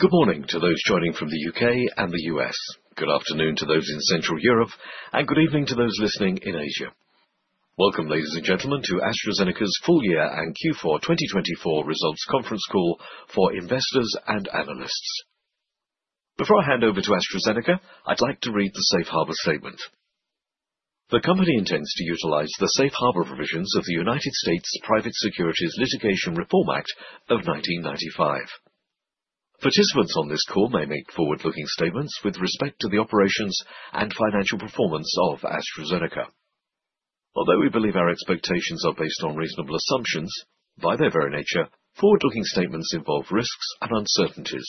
Good morning to those joining from the UK and the US, good afternoon to those in Central Europe, and good evening to those listening in Asia. Welcome, ladies and gentlemen, to AstraZeneca's full-year and Q4 2024 results conference call for investors and analysts. Before I hand over to AstraZeneca, I'd like to read the Safe Harbor statement. The company intends to utilize the Safe Harbor provisions of the United States Private Securities Litigation Reform Act of 1995. Participants on this call may make forward-looking statements with respect to the operations and financial performance of AstraZeneca. Although we believe our expectations are based on reasonable assumptions, by their very nature, forward-looking statements involve risks and uncertainties,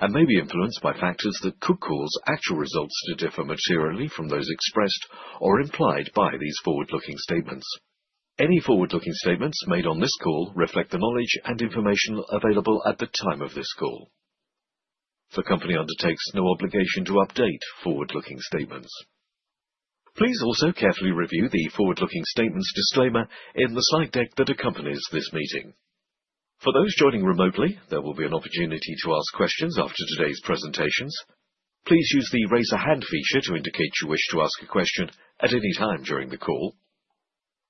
and may be influenced by factors that could cause actual results to differ materially from those expressed or implied by these forward-looking statements. Any forward-looking statements made on this call reflect the knowledge and information available at the time of this call. The company undertakes no obligation to update forward-looking statements. Please also carefully review the forward-looking statements disclaimer in the slide deck that accompanies this meeting. For those joining remotely, there will be an opportunity to ask questions after today's presentations. Please use the raise a hand feature to indicate you wish to ask a question at any time during the call.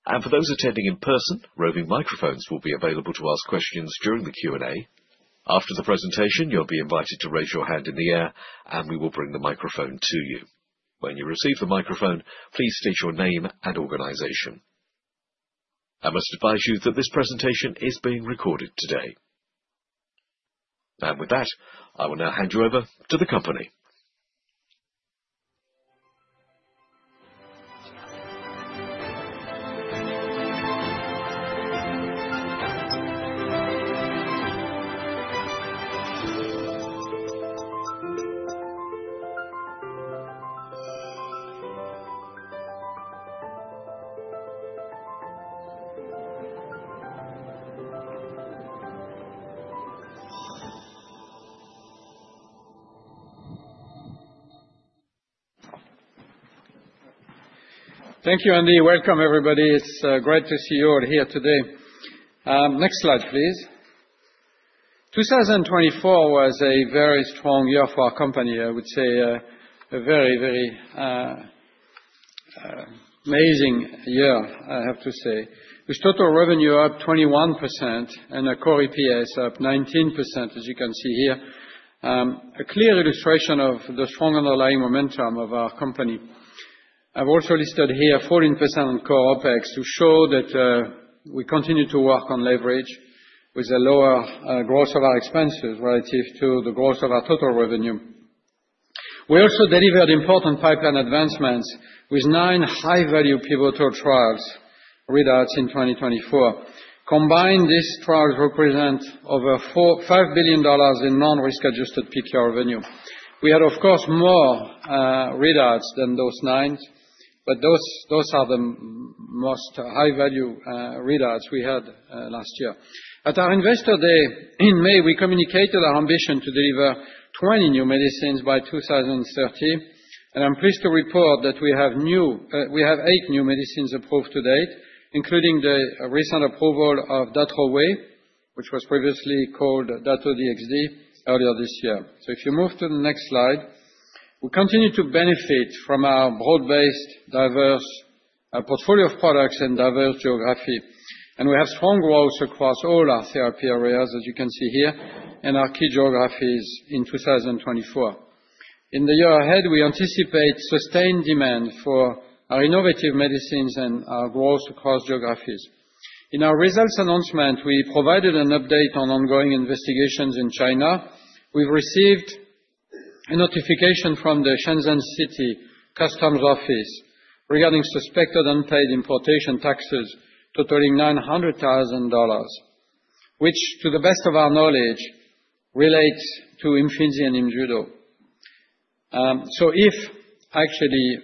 And for those attending in person, roving microphones will be available to ask questions during the Q&A. After the presentation, you'll be invited to raise your hand in the air, and we will bring the microphone to you. When you receive the microphone, please state your name and organization. I must advise you that this presentation is being recorded today. With that, I will now hand you over to the company. Thank you, Andy. Welcome, everybody. It's great to see you all here today. Next slide, please. 2024 was a very strong year for our company. I would say a very, very amazing year, I have to say, with total revenue up 21% and a core EPS up 19%, as you can see here. A clear illustration of the strong underlying momentum of our company. I've also listed here 14% on core OpEx to show that we continue to work on leverage with a lower growth of our expenses relative to the growth of our total revenue. We also delivered important pipeline advancements with nine high-value pivotal trials, readouts in 2024. Combined, these trials represent over $5 billion in non-risk-adjusted PYR revenue. We had, of course, more readouts than those nine, but those are the most high-value readouts we had last year. At our Investor Day in May, we communicated our ambition to deliver 20 new medicines by 2030. I'm pleased to report that we have eight new medicines approved to date, including the recent approval of Dato-DXd, which was previously called Dato-DXd earlier this year. If you move to the next slide, we continue to benefit from our broad-based, diverse portfolio of products and diverse geography. We have strong growth across all our therapy areas, as you can see here, and our key geographies in 2024. In the year ahead, we anticipate sustained demand for our innovative medicines and our growth across geographies. In our results announcement, we provided an update on ongoing investigations in China. We've received a notification from the Shenzhen City Customs Office regarding suspected unpaid importation taxes totaling $900,000, which, to the best of our knowledge, relates to Imfinzi and Imjudo. So, if actually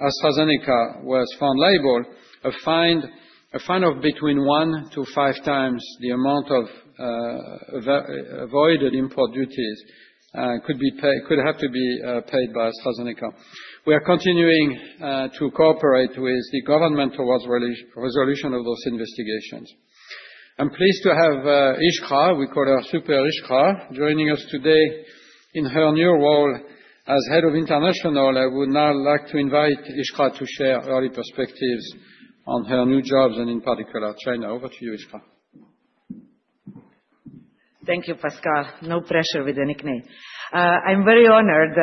AstraZeneca was found liable, a fine of between one to five times the amount of avoided import duties could have to be paid by AstraZeneca. We are continuing to cooperate with the government towards resolution of those investigations. I'm pleased to have Iskra, we call her Super Iskra, joining us today in her new role as head of international. I would now like to invite Iskra to share early perspectives on her new jobs and, in particular, China. Over to you, Iskra. Thank you, Pascal. No pressure with the nickname. I'm very honored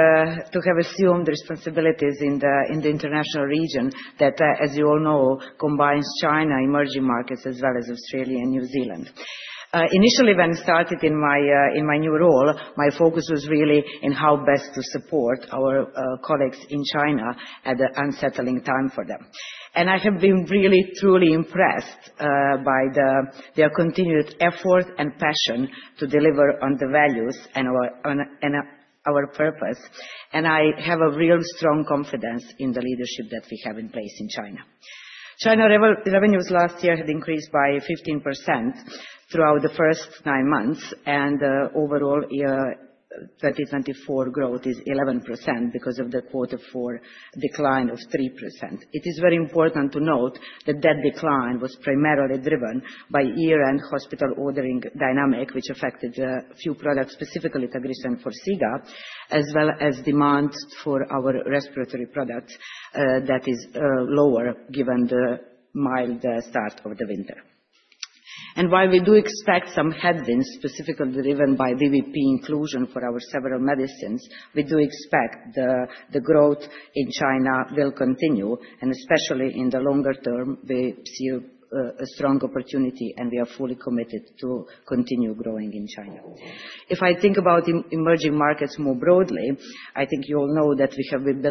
to have assumed responsibilities in the international region that, as you all know, combines China, emerging markets, as well as Australia and New Zealand. Initially, when I started in my new role, my focus was really on how best to support our colleagues in China at an unsettling time for them, and I have been really, truly impressed by their continued effort and passion to deliver on the values and our purpose, and I have a real strong confidence in the leadership that we have in place in China. China revenues last year had increased by 15% throughout the first nine months, and overall year 2024 growth is 11% because of the quarter four decline of 3%. It is very important to note that that decline was primarily driven by year-end hospital ordering dynamic, which affected a few products, specifically Tagrisso and Forxiga, as well as demand for our respiratory products that is lower given the mild start of the winter. While we do expect some headwinds, specifically driven by VBP inclusion for our several medicines, we do expect the growth in China will continue, and especially in the longer term, we see a strong opportunity, and we are fully committed to continue growing in China. If I think about emerging markets more broadly, I think you all know that we have been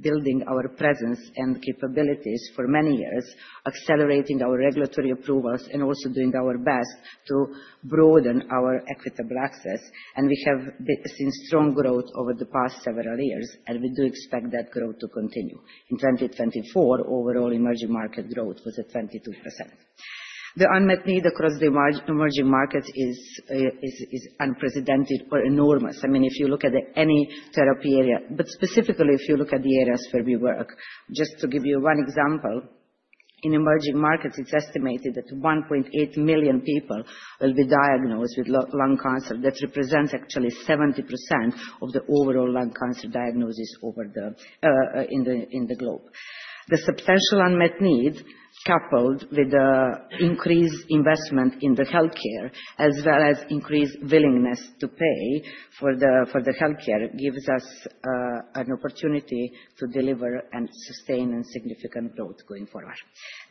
building our presence and capabilities for many years, accelerating our regulatory approvals, and also doing our best to broaden our equitable access. We have seen strong growth over the past several years, and we do expect that growth to continue. In 2024, overall emerging market growth was at 22%. The unmet need across the emerging markets is unprecedented or enormous. I mean, if you look at any therapy area, but specifically if you look at the areas where we work. Just to give you one example, in emerging markets, it's estimated that 1.8 million people will be diagnosed with lung cancer. That represents actually 70% of the overall lung cancer diagnosis in the globe. The substantial unmet need, coupled with increased investment in the healthcare, as well as increased willingness to pay for the healthcare, gives us an opportunity to deliver and sustain significant growth going forward.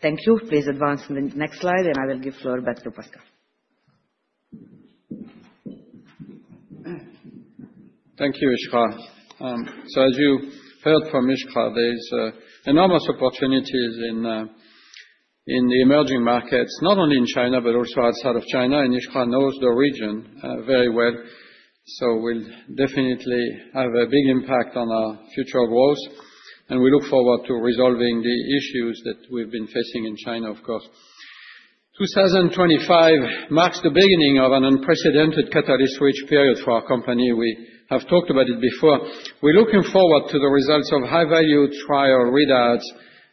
Thank you. Please advance to the next slide, and I will give the floor back to Pascal. Thank you, Iskra. So as you heard from Iskra, there's enormous opportunities in the emerging markets, not only in China, but also outside of China. And Iskra knows the region very well. So we'll definitely have a big impact on our future growth, and we look forward to resolving the issues that we've been facing in China, of course. 2025 marks the beginning of an unprecedented catalyst switch period for our company. We have talked about it before. We're looking forward to the results of high-value trial readouts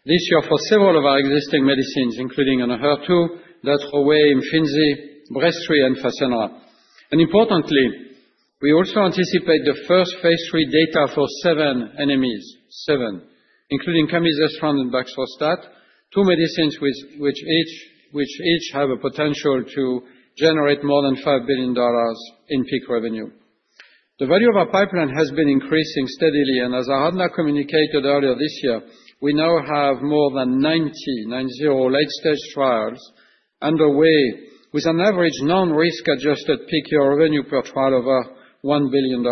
this year for several of our existing medicines, including Enhertu, Dato-DXd, Imfinzi, Breztri, and Fasenra. And importantly, we also anticipate the first phase 3 data for seven NMEs, seven, including Camizestrant and Baxdrostat, two medicines which each have a potential to generate more than $5 billion in peak revenue. The value of our pipeline has been increasing steadily, and as Aradhana communicated earlier this year, we now have more than 90 late-stage trials underway with an average non-risk-adjusted PYR revenue per trial of $1 billion.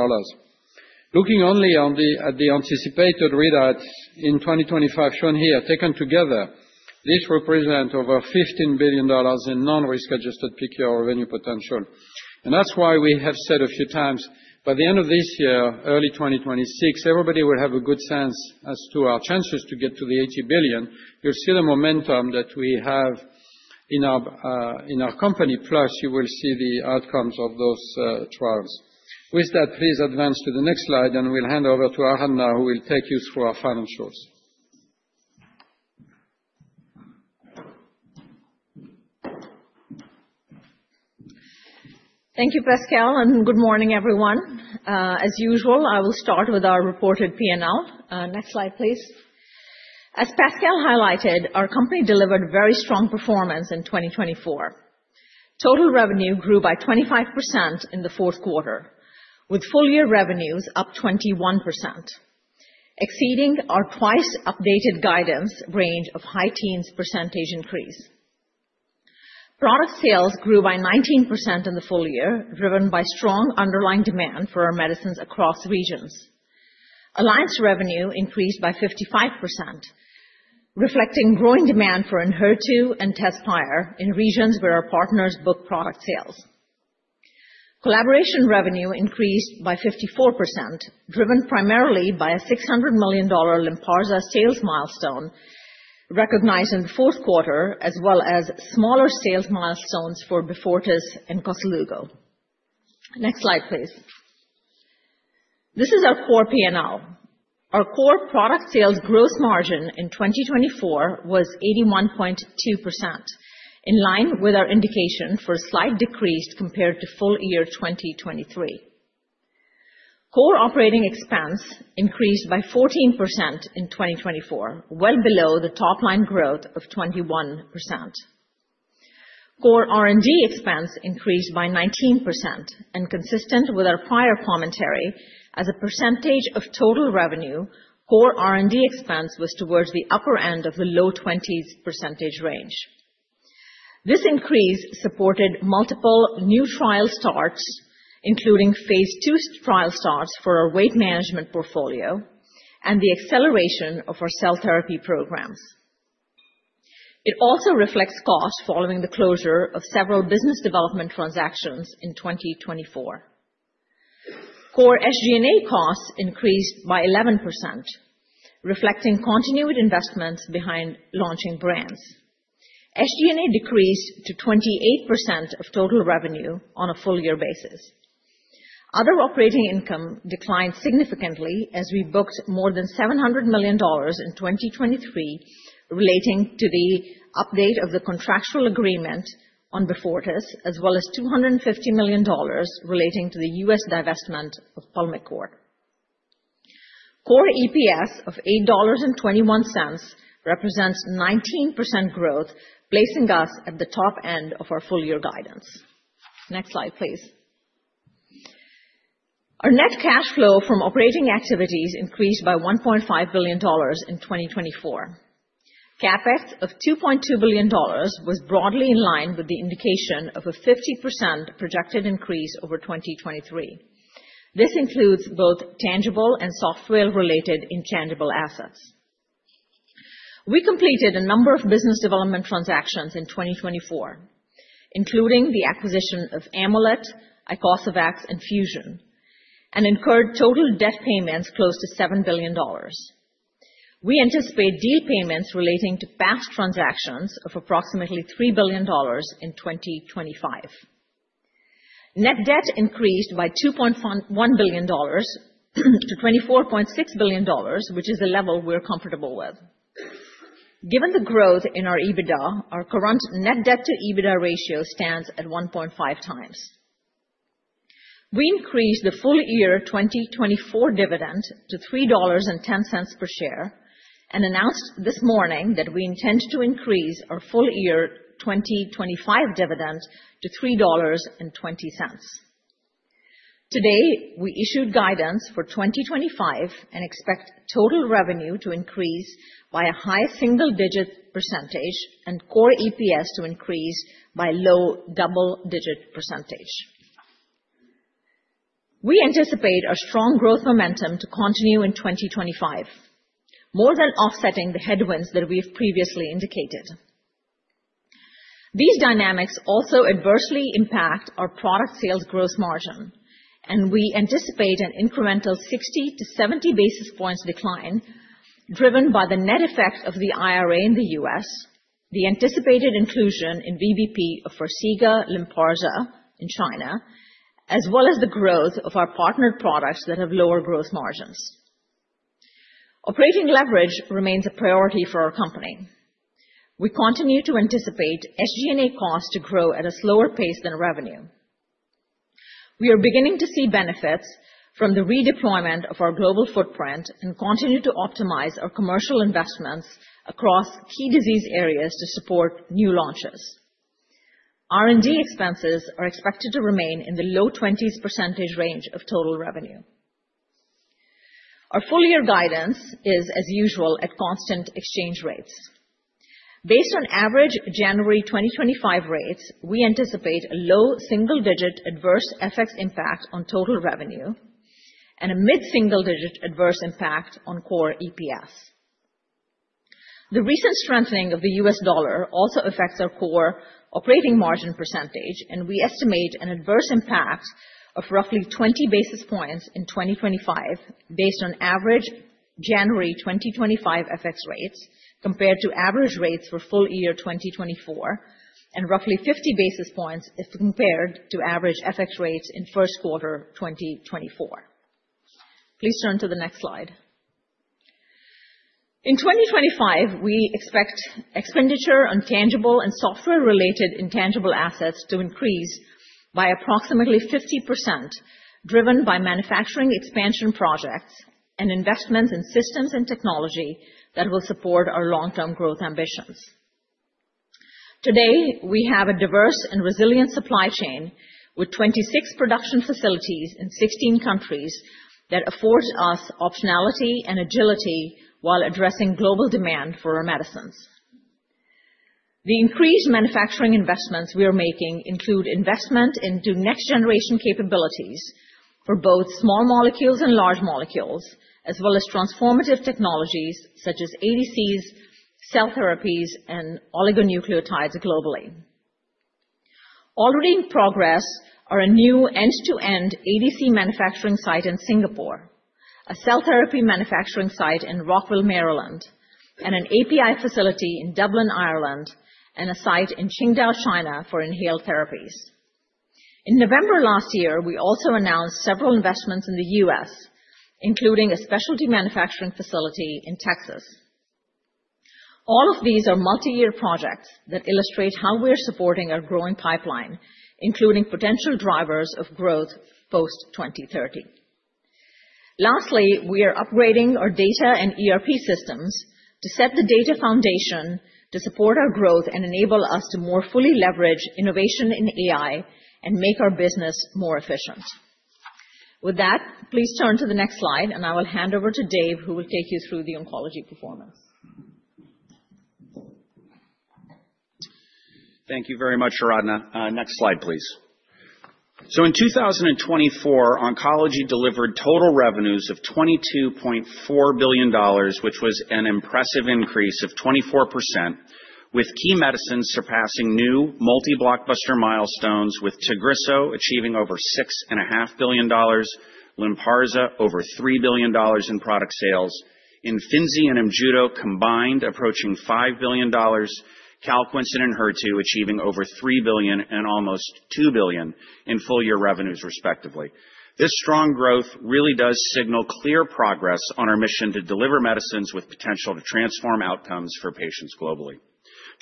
Looking only at the anticipated readouts in 2025 shown here, taken together, these represent over $15 billion in non-risk-adjusted PYR revenue potential, and that's why we have said a few times by the end of this year, early 2026, everybody will have a good sense as to our chances to get to the $80 billion. You'll see the momentum that we have in our company. Plus, you will see the outcomes of those trials. With that, please advance to the next slide, and we'll hand over to Aradhana, who will take you through our financials. Thank you, Pascal, and good morning, everyone. As usual, I will start with our reported P&L. Next slide, please. As Pascal highlighted, our company delivered very strong performance in 2024. Total revenue grew by 25% in the fourth quarter, with full-year revenues up 21%, exceeding our twice-updated guidance range of high teens % increase. Product sales grew by 19% in the full year, driven by strong underlying demand for our medicines across regions. Alliance revenue increased by 55%, reflecting growing demand for Enhertu and Tezspire in regions where our partners book product sales. Collaboration revenue increased by 54%, driven primarily by a $600 million Lynparza sales milestone recognized in the fourth quarter, as well as smaller sales milestones for Beyfortus and Koselugo. Next slide, please. This is our core P&L. Our core product sales gross margin in 2024 was 81.2%, in line with our indication for a slight decrease compared to full year 2023. Core operating expense increased by 14% in 2024, well below the top-line growth of 21%. Core R&D expense increased by 19%, and consistent with our prior commentary, as a percentage of total revenue, core R&D expense was towards the upper end of the low 20s percentage range. This increase supported multiple new trial starts, including phase 2 trial starts for our weight management portfolio and the acceleration of our cell therapy programs. It also reflects costs following the closure of several business development transactions in 2024. Core SG&A costs increased by 11%, reflecting continued investments behind launching brands. SG&A decreased to 28% of total revenue on a full-year basis. Other operating income declined significantly as we booked more than $700 million in 2023, relating to the update of the contractual agreement on Beyfortus, as well as $250 million relating to the US divestment of Pulmicort. Core EPS of $8.21 represents 19% growth, placing us at the top end of our full-year guidance. Next slide, please. Our net cash flow from operating activities increased by $1.5 billion in 2024. CapEx of $2.2 billion was broadly in line with the indication of a 50% projected increase over 2023. This includes both tangible and software-related intangible assets. We completed a number of business development transactions in 2024, including the acquisition of Amolyt, Icosavax, and Fusion, and incurred total debt payments close to $7 billion. We anticipate deal payments relating to past transactions of approximately $3 billion in 2025. Net debt increased by $2.1 billion to $24.6 billion, which is a level we're comfortable with. Given the growth in our EBITDA, our current net debt-to-EBITDA ratio stands at 1.5 times. We increased the full-year 2024 dividend to $3.10 per share and announced this morning that we intend to increase our full-year 2025 dividend to $3.20. Today, we issued guidance for 2025 and expect total revenue to increase by a high single-digit percentage and Core EPS to increase by low double-digit percentage. We anticipate our strong growth momentum to continue in 2025, more than offsetting the headwinds that we've previously indicated. These dynamics also adversely impact our product sales gross margin, and we anticipate an incremental 60-70 basis points decline, driven by the net effect of the IRA in the US, the anticipated inclusion in VBP of Forxiga Lynparza in China, as well as the growth of our partnered products that have lower gross margins. Operating leverage remains a priority for our company. We continue to anticipate SG&A costs to grow at a slower pace than revenue. We are beginning to see benefits from the redeployment of our global footprint and continue to optimize our commercial investments across key disease areas to support new launches. R&D expenses are expected to remain in the low 20s% range of total revenue. Our full-year guidance is, as usual, at constant exchange rates. Based on average January 2025 rates, we anticipate a low single-digit adverse FX impact on total revenue and a mid-single-digit adverse impact on core EPS. The recent strengthening of the U.S. dollar also affects our core operating margin percentage, and we estimate an adverse impact of roughly 20 basis points in 2025 based on average January 2025 FX rates compared to average rates for full year 2024 and roughly 50 basis points if compared to average FX rates in first quarter 2024. Please turn to the next slide. In 2025, we expect expenditure on tangible and software-related intangible assets to increase by approximately 50%, driven by manufacturing expansion projects and investments in systems and technology that will support our long-term growth ambitions. Today, we have a diverse and resilient supply chain with 26 production facilities in 16 countries that afford us optionality and agility while addressing global demand for our medicines. The increased manufacturing investments we are making include investment into next-generation capabilities for both small molecules and large molecules, as well as transformative technologies such as ADCs, cell therapies, and oligonucleotides globally. Already in progress are a new end-to-end ADC manufacturing site in Singapore, a cell therapy manufacturing site in Rockville, Maryland, and an API facility in Dublin, Ireland, and a site in Qingdao, China, for inhaled therapies. In November last year, we also announced several investments in the U.S., including a specialty manufacturing facility in Texas. All of these are multi-year projects that illustrate how we are supporting our growing pipeline, including potential drivers of growth post-2030. Lastly, we are upgrading our data and ERP systems to set the data foundation to support our growth and enable us to more fully leverage innovation in AI and make our business more efficient. With that, please turn to the next slide, and I will hand over to Dave, who will take you through the oncology performance. Thank you very much, Aradhana. Next slide, please. So in 2024, oncology delivered total revenues of $22.4 billion, which was an impressive increase of 24%, with key medicines surpassing new multi-blockbuster milestones, with Tagrisso achieving over $6.5 billion, Lynparza over $3 billion in product sales, Imfinzi and Imjudo combined approaching $5 billion, Calquence and Enhertu achieving over $3 billion and almost $2 billion in full-year revenues, respectively. This strong growth really does signal clear progress on our mission to deliver medicines with potential to transform outcomes for patients globally.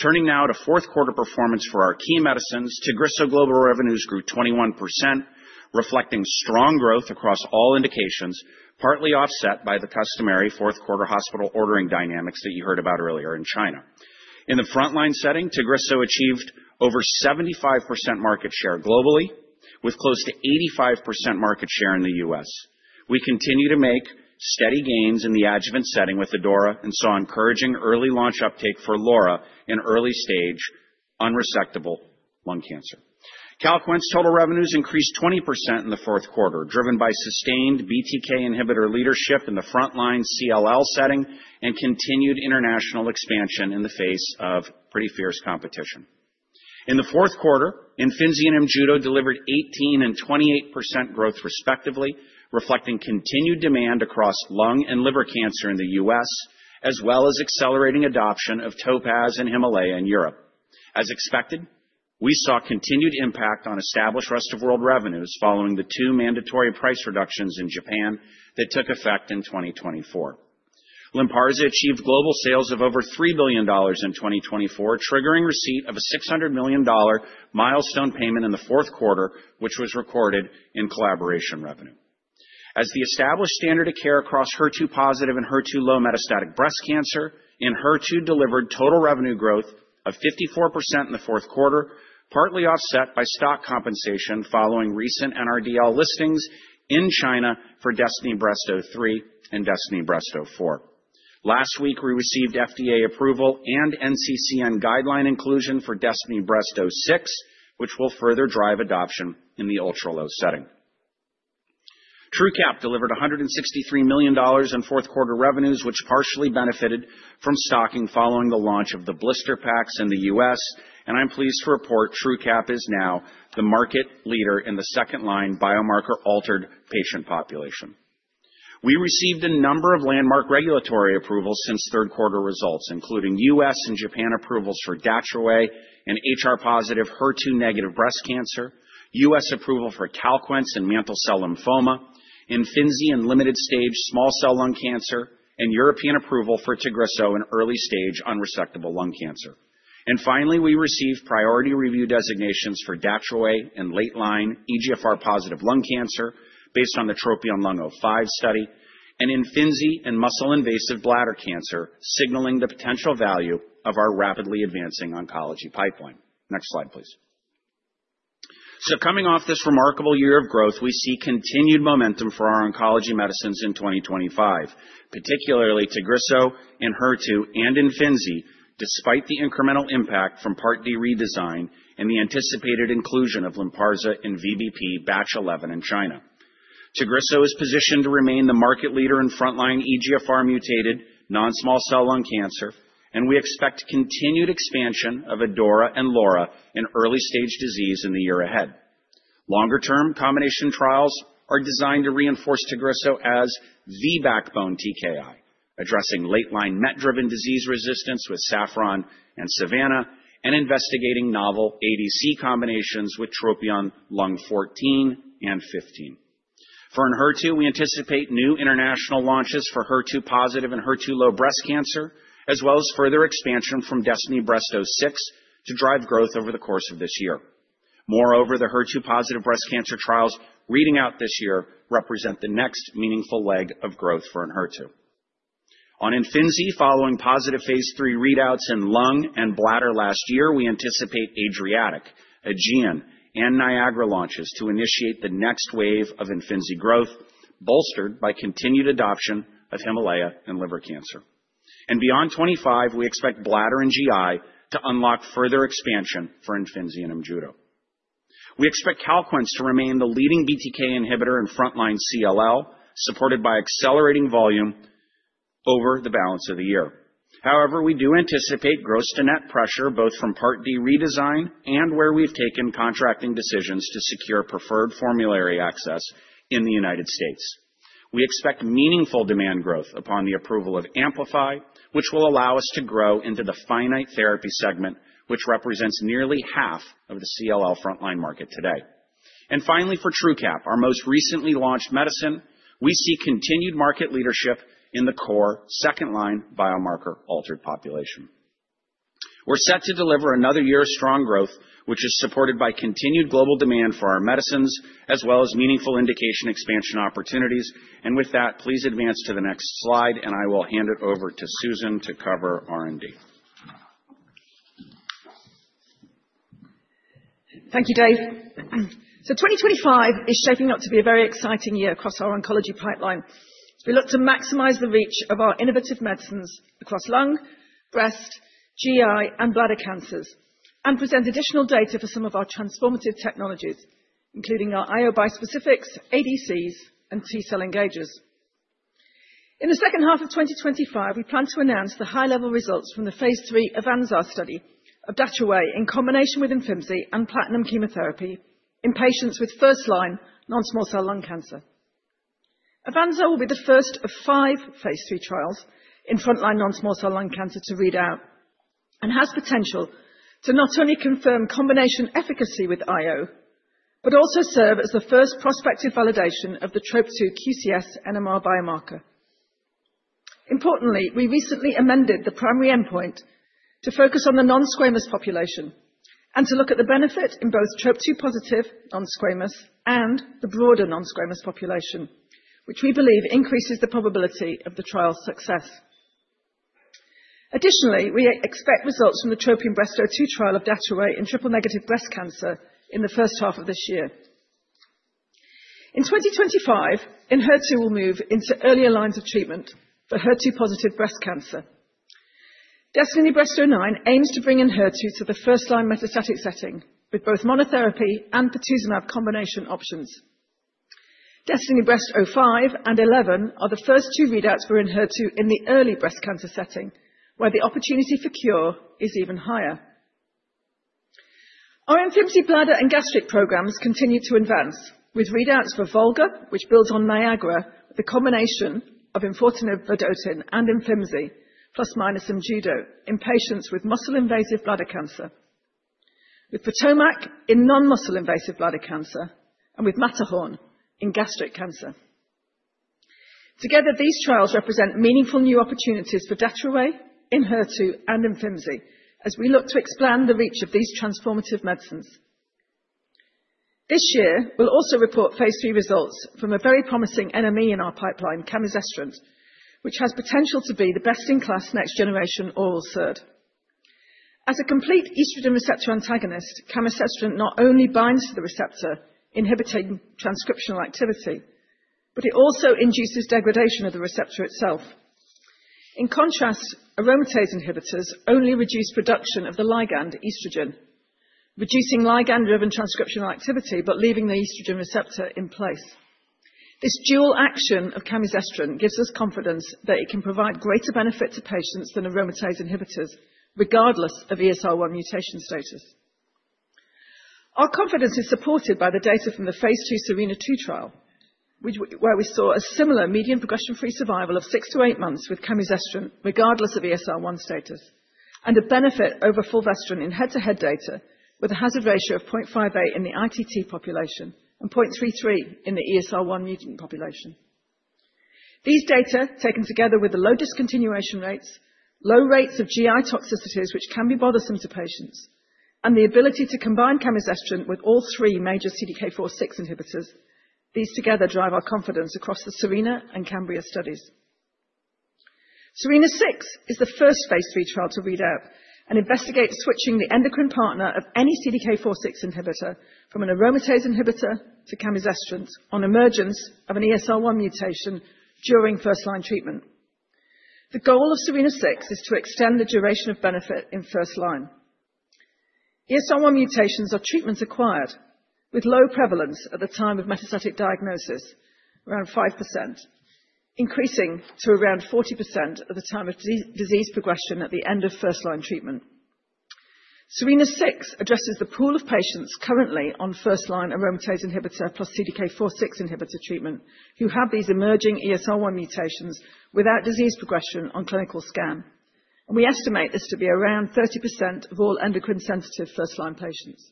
Turning now to fourth quarter performance for our key medicines, Tagrisso global revenues grew 21%, reflecting strong growth across all indications, partly offset by the customary fourth quarter hospital ordering dynamics that you heard about earlier in China. In the frontline setting, Tagrisso achieved over 75% market share globally, with close to 85% market share in the U.S. We continue to make steady gains in the adjuvant setting with ADAURA, and saw encouraging early launch uptake for LAURA in early stage unresectable lung cancer. Calquence's total revenues increased 20% in the fourth quarter, driven by sustained BTK inhibitor leadership in the frontline CLL setting and continued international expansion in the face of pretty fierce competition. In the fourth quarter, Imfinzi and Imjudo delivered 18% and 28% growth, respectively, reflecting continued demand across lung and liver cancer in the U.S., as well as accelerating adoption of TOPAZ-1 and HIMALAYA in Europe. As expected, we saw continued impact on established rest-of-world revenues following the two mandatory price reductions in Japan that took effect in 2024. Lynparza achieved global sales of over $3 billion in 2024, triggering receipt of a $600 million milestone payment in the fourth quarter, which was recorded in collaboration revenue. As the established standard of care across HER2-positive and HER2-low metastatic breast cancer, Enhertu delivered total revenue growth of 54% in the fourth quarter, partly offset by stocking following recent NRDL listings in China for DESTINY-Breast03 and DESTINY-Breast04. Last week, we received FDA approval and NCCN guideline inclusion for DESTINY-Breast06, which will further drive adoption in the ultra-low setting. Truqap delivered $163 million in fourth quarter revenues, which partially benefited from stocking following the launch of the blister packs in the U.S., and I'm pleased to report Truqap is now the market leader in the second-line biomarker-altered patient population. We received a number of landmark regulatory approvals since third quarter results, including US and Japan approvals for Dato-DXd in HR-positive HER2-negative breast cancer, US approval for Calquence in mantle cell lymphoma, Imfinzi in limited stage small cell lung cancer, and European approval for Tagrisso in early stage unresectable lung cancer, and finally, we received priority review designations for Dato-DXd in late-line EGFR-positive lung cancer based on the TROPION-Lung05 study, and Imfinzi in muscle-invasive bladder cancer, signaling the potential value of our rapidly advancing oncology pipeline, next slide, please, so coming off this remarkable year of growth, we see continued momentum for our oncology medicines in 2025, particularly Tagrisso, Enhertu, and Imfinzi, despite the incremental impact from Part D redesign and the anticipated inclusion of Lynparza in VBP batch 11 in China. Tagrisso is positioned to remain the market leader in frontline EGFR-mutated non-small cell lung cancer, and we expect continued expansion of ADAURA and LAURA in early stage disease in the year ahead. Longer-term combination trials are designed to reinforce Tagrisso as EGFR-backbone TKI, addressing late-line MET-driven disease resistance with SAFFRON and SAVANNAH, and investigating novel ADC combinations with TROPION-Lung 14 and 15. For Enhertu, we anticipate new international launches for HER2-positive and HER2-low breast cancer, as well as further expansion from DESTINY-Breast06 to drive growth over the course of this year. Moreover, the HER2-positive breast cancer trials reading out this year represent the next meaningful leg of growth for Enhertu. On Imfinzi, following positive phase 3 readouts in lung and bladder last year, we anticipate ADRIATIC, AEGEAN, and NIAGARA launches to initiate the next wave of Imfinzi growth, bolstered by continued adoption of HIMALAYA in liver cancer. Beyond 25, we expect bladder and GI to unlock further expansion for Imfinzi and Imjudo. We expect Calquence to remain the leading BTK inhibitor and frontline CLL, supported by accelerating volume over the balance of the year. However, we do anticipate gross to net pressure both from Part D redesign and where we've taken contracting decisions to secure preferred formulary access in the United States. We expect meaningful demand growth upon the approval of AMPLIFY, which will allow us to grow into the finite therapy segment, which represents nearly half of the CLL frontline market today. And finally, for Truqap, our most recently launched medicine, we see continued market leadership in the core second-line biomarker-altered population. We're set to deliver another year of strong growth, which is supported by continued global demand for our medicines, as well as meaningful indication expansion opportunities. With that, please advance to the next slide, and I will hand it over to Susan to cover R&D. Thank you, Dave. So 2025 is shaping up to be a very exciting year across our oncology pipeline. We look to maximize the reach of our innovative medicines across lung, breast, GI, and bladder cancers and present additional data for some of our transformative technologies, including our IO bispecifics, ADCs, and T-cell engagers. In the second half of 2025, we plan to announce the high-level results from the phase 3 AVANZAR study of Dato-DXd in combination with Imfinzi and platinum chemotherapy in patients with first-line non-small cell lung cancer. AVANZAR will be the first of five phase 3 trials in frontline non-small cell lung cancer to read out and has potential to not only confirm combination efficacy with IO, but also serve as the first prospective validation of the Trop2 QCS NMR biomarker. Importantly, we recently amended the primary endpoint to focus on the non-squamous population and to look at the benefit in both TROP2-positive non-squamous and the broader non-squamous population, which we believe increases the probability of the trial's success. Additionally, we expect results from the TROPION-Breast02 trial of Dato-DXd in triple-negative breast cancer in the first half of this year. In 2025, Enhertu will move into earlier lines of treatment for HER2-positive breast cancer. DESTINY-Breast09 aims to bring Enhertu to the first-line metastatic setting with both monotherapy and patritumab combination options. DESTINY-Breast05 and 11 are the first two readouts for Enhertu in the early breast cancer setting, where the opportunity for cure is even higher. Our Imfinzi, bladder, and gastric programs continue to advance with readouts for VOLGA, which builds on NIAGARA, the combination of enfortumab vedotin and Imfinzi, plus-minus Imjudo in patients with muscle-invasive bladder cancer, with POTOMAC in non-muscle-invasive bladder cancer, and with MATTERHORN in gastric cancer. Together, these trials represent meaningful new opportunities for Dato-DXd, Enhertu, and Imfinzi as we look to expand the reach of these transformative medicines. This year, we'll also report phase 3 results from a very promising NME in our pipeline, Camizestrant, which has potential to be the best-in-class next-generation oral SERD. As a complete estrogen receptor antagonist, Camizestrant not only binds to the receptor, inhibiting transcriptional activity, but it also induces degradation of the receptor itself. In contrast, aromatase inhibitors only reduce production of the ligand estrogen, reducing ligand-driven transcriptional activity, but leaving the estrogen receptor in place. This dual action of Camizestrant gives us confidence that it can provide greater benefit to patients than aromatase inhibitors, regardless of ESR1 mutation status. Our confidence is supported by the data from the phase two SERENA-2 trial, where we saw a similar median progression-free survival of six to eight months with Camizestrant, regardless of ESR1 status, and a benefit over Fulvestrant in head-to-head data with a hazard ratio of 0.58 in the ITT population and 0.33 in the ESR1 mutant population. These data, taken together with the low discontinuation rates, low rates of GI toxicities, which can be bothersome to patients, and the ability to combine Camizestrant with all three major CDK4/6 inhibitors, these together drive our confidence across the SERENA and CAMBRIA studies. SERENA-6 is the first phase 3 trial to read out and investigate switching the endocrine partner of any CDK4/6 inhibitor from an aromatase inhibitor to camizestrant on emergence of an ESR1 mutation during first-line treatment. The goal of SERENA-6 is to extend the duration of benefit in first-line. ESR1 mutations are treatment-acquired with low prevalence at the time of metastatic diagnosis, around 5%, increasing to around 40% at the time of disease progression at the end of first-line treatment. SERENA-6 addresses the pool of patients currently on first-line aromatase inhibitor plus CDK4/6 inhibitor treatment who have these emerging ESR1 mutations without disease progression on clinical scan. We estimate this to be around 30% of all endocrine-sensitive first-line patients.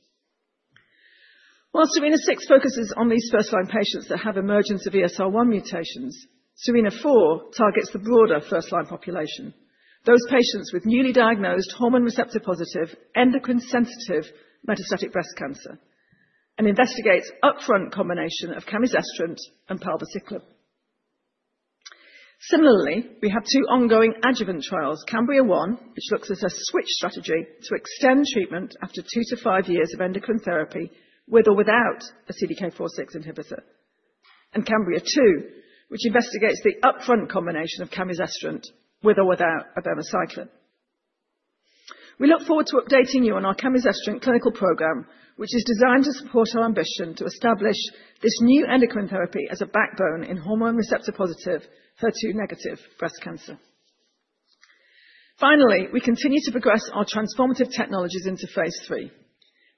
While SERENA-6 focuses on these first-line patients that have emergence of ESR1 mutations, SERENA-4 targets the broader first-line population, those patients with newly diagnosed hormone-receptor-positive, endocrine-sensitive metastatic breast cancer, and investigates upfront combination of Camizestrant and Palbociclib. Similarly, we have two ongoing adjuvant trials, CAMBRIA-1, which looks at a switch strategy to extend treatment after two to five years of endocrine therapy with or without a CDK4/6 inhibitor, and CAMBRIA-2, which investigates the upfront combination of Camizestrant with or without Abemaciclib. We look forward to updating you on our Camizestrant clinical program, which is designed to support our ambition to establish this new endocrine therapy as a backbone in hormone-receptor-positive, HER2-negative breast cancer. Finally, we continue to progress our transformative technologies into phase three.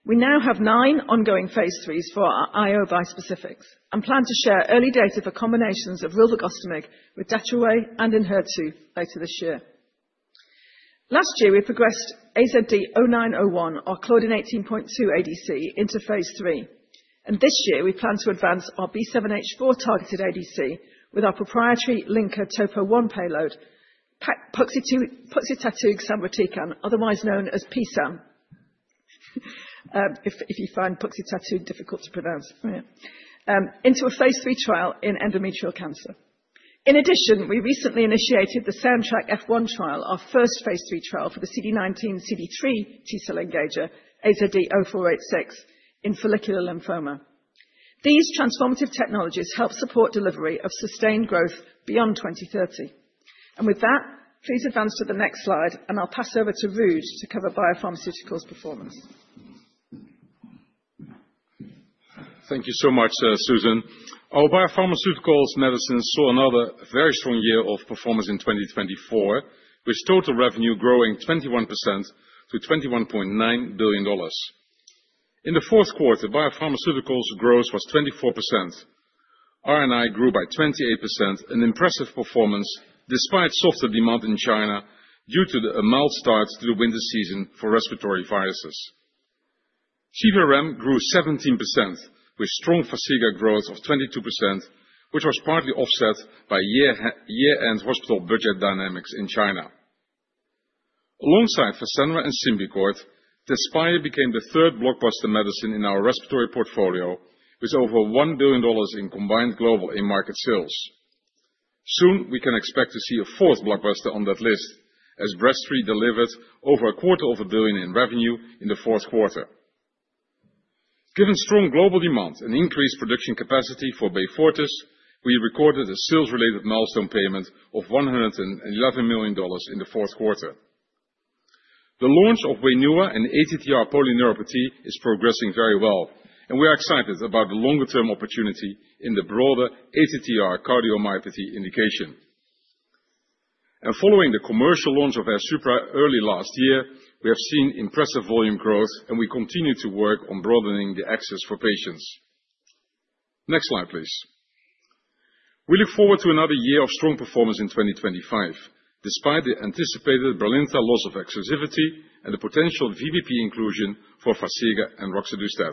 We now have nine ongoing phase threes for our IO bispecifics and plan to share early data for combinations of Rilvagostimig with Dato-DXd and Enhertu later this year. Last year, we progressed AZD0901, our Claudin 18.2 ADC, into phase three. And this year, we plan to advance our B7-H4 targeted ADC with our proprietary linker Topo I payload, Puxitatug samrotecan, otherwise known as PSAM, if you find Puxitatug difficult to pronounce, into a phase three trial in endometrial cancer. In addition, we recently initiated the SOUNDTRACK-1 trial, our first phase three trial for the CD19, CD3 T-cell engager, AZD0486 in follicular lymphoma. These transformative technologies help support delivery of sustained growth beyond 2030. And with that, please advance to the next slide, and I'll pass over to Ruud to cover biopharmaceuticals performance. Thank you so much, Susan. Our biopharmaceuticals medicines saw another very strong year of performance in 2024, with total revenue growing 21% to $21.9 billion. In the fourth quarter, biopharmaceuticals growth was 24%. R&I grew by 28%, an impressive performance despite softer demand in China due to the mild start to the winter season for respiratory viruses. CVRM grew 17%, with strong Farxiga growth of 22%, which was partly offset by year-end hospital budget dynamics in China. Alongside Fasenra and Symbicort, Tezspire became the third blockbuster medicine in our respiratory portfolio, with over $1 billion in combined global A-market sales. Soon, we can expect to see a fourth blockbuster on that list, as Breztri delivered over $250 million in revenue in the fourth quarter. Given strong global demand and increased production capacity for Beyfortus, we recorded a sales-related milestone payment of $111 million in the fourth quarter. The launch of Wainua and ATTR polyneuropathy is progressing very well, and we are excited about the longer-term opportunity in the broader ATTR cardiomyopathy indication, and following the commercial launch of Airsupra early last year, we have seen impressive volume growth, and we continue to work on broadening the access for patients. Next slide, please. We look forward to another year of strong performance in 2025, despite the anticipated Brilinta loss of exclusivity and the potential VBP inclusion for Farxiga and Roxadustat.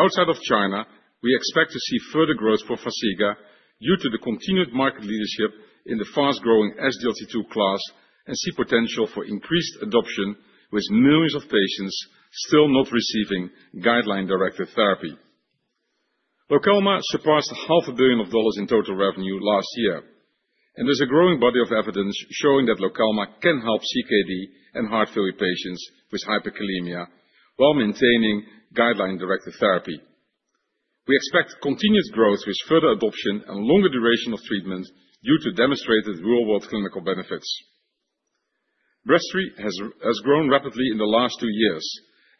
Outside of China, we expect to see further growth for Farxiga due to the continued market leadership in the fast-growing SGLT2 class and see potential for increased adoption with millions of patients still not receiving guideline-directed therapy. Lokelma surpassed $500 million in total revenue last year, and there's a growing body of evidence showing that Lokelma can help CKD and heart failure patients with hyperkalemia while maintaining guideline-directed therapy. We expect continued growth with further adoption and longer duration of treatment due to demonstrated real-world clinical benefits. Breztri has grown rapidly in the last two years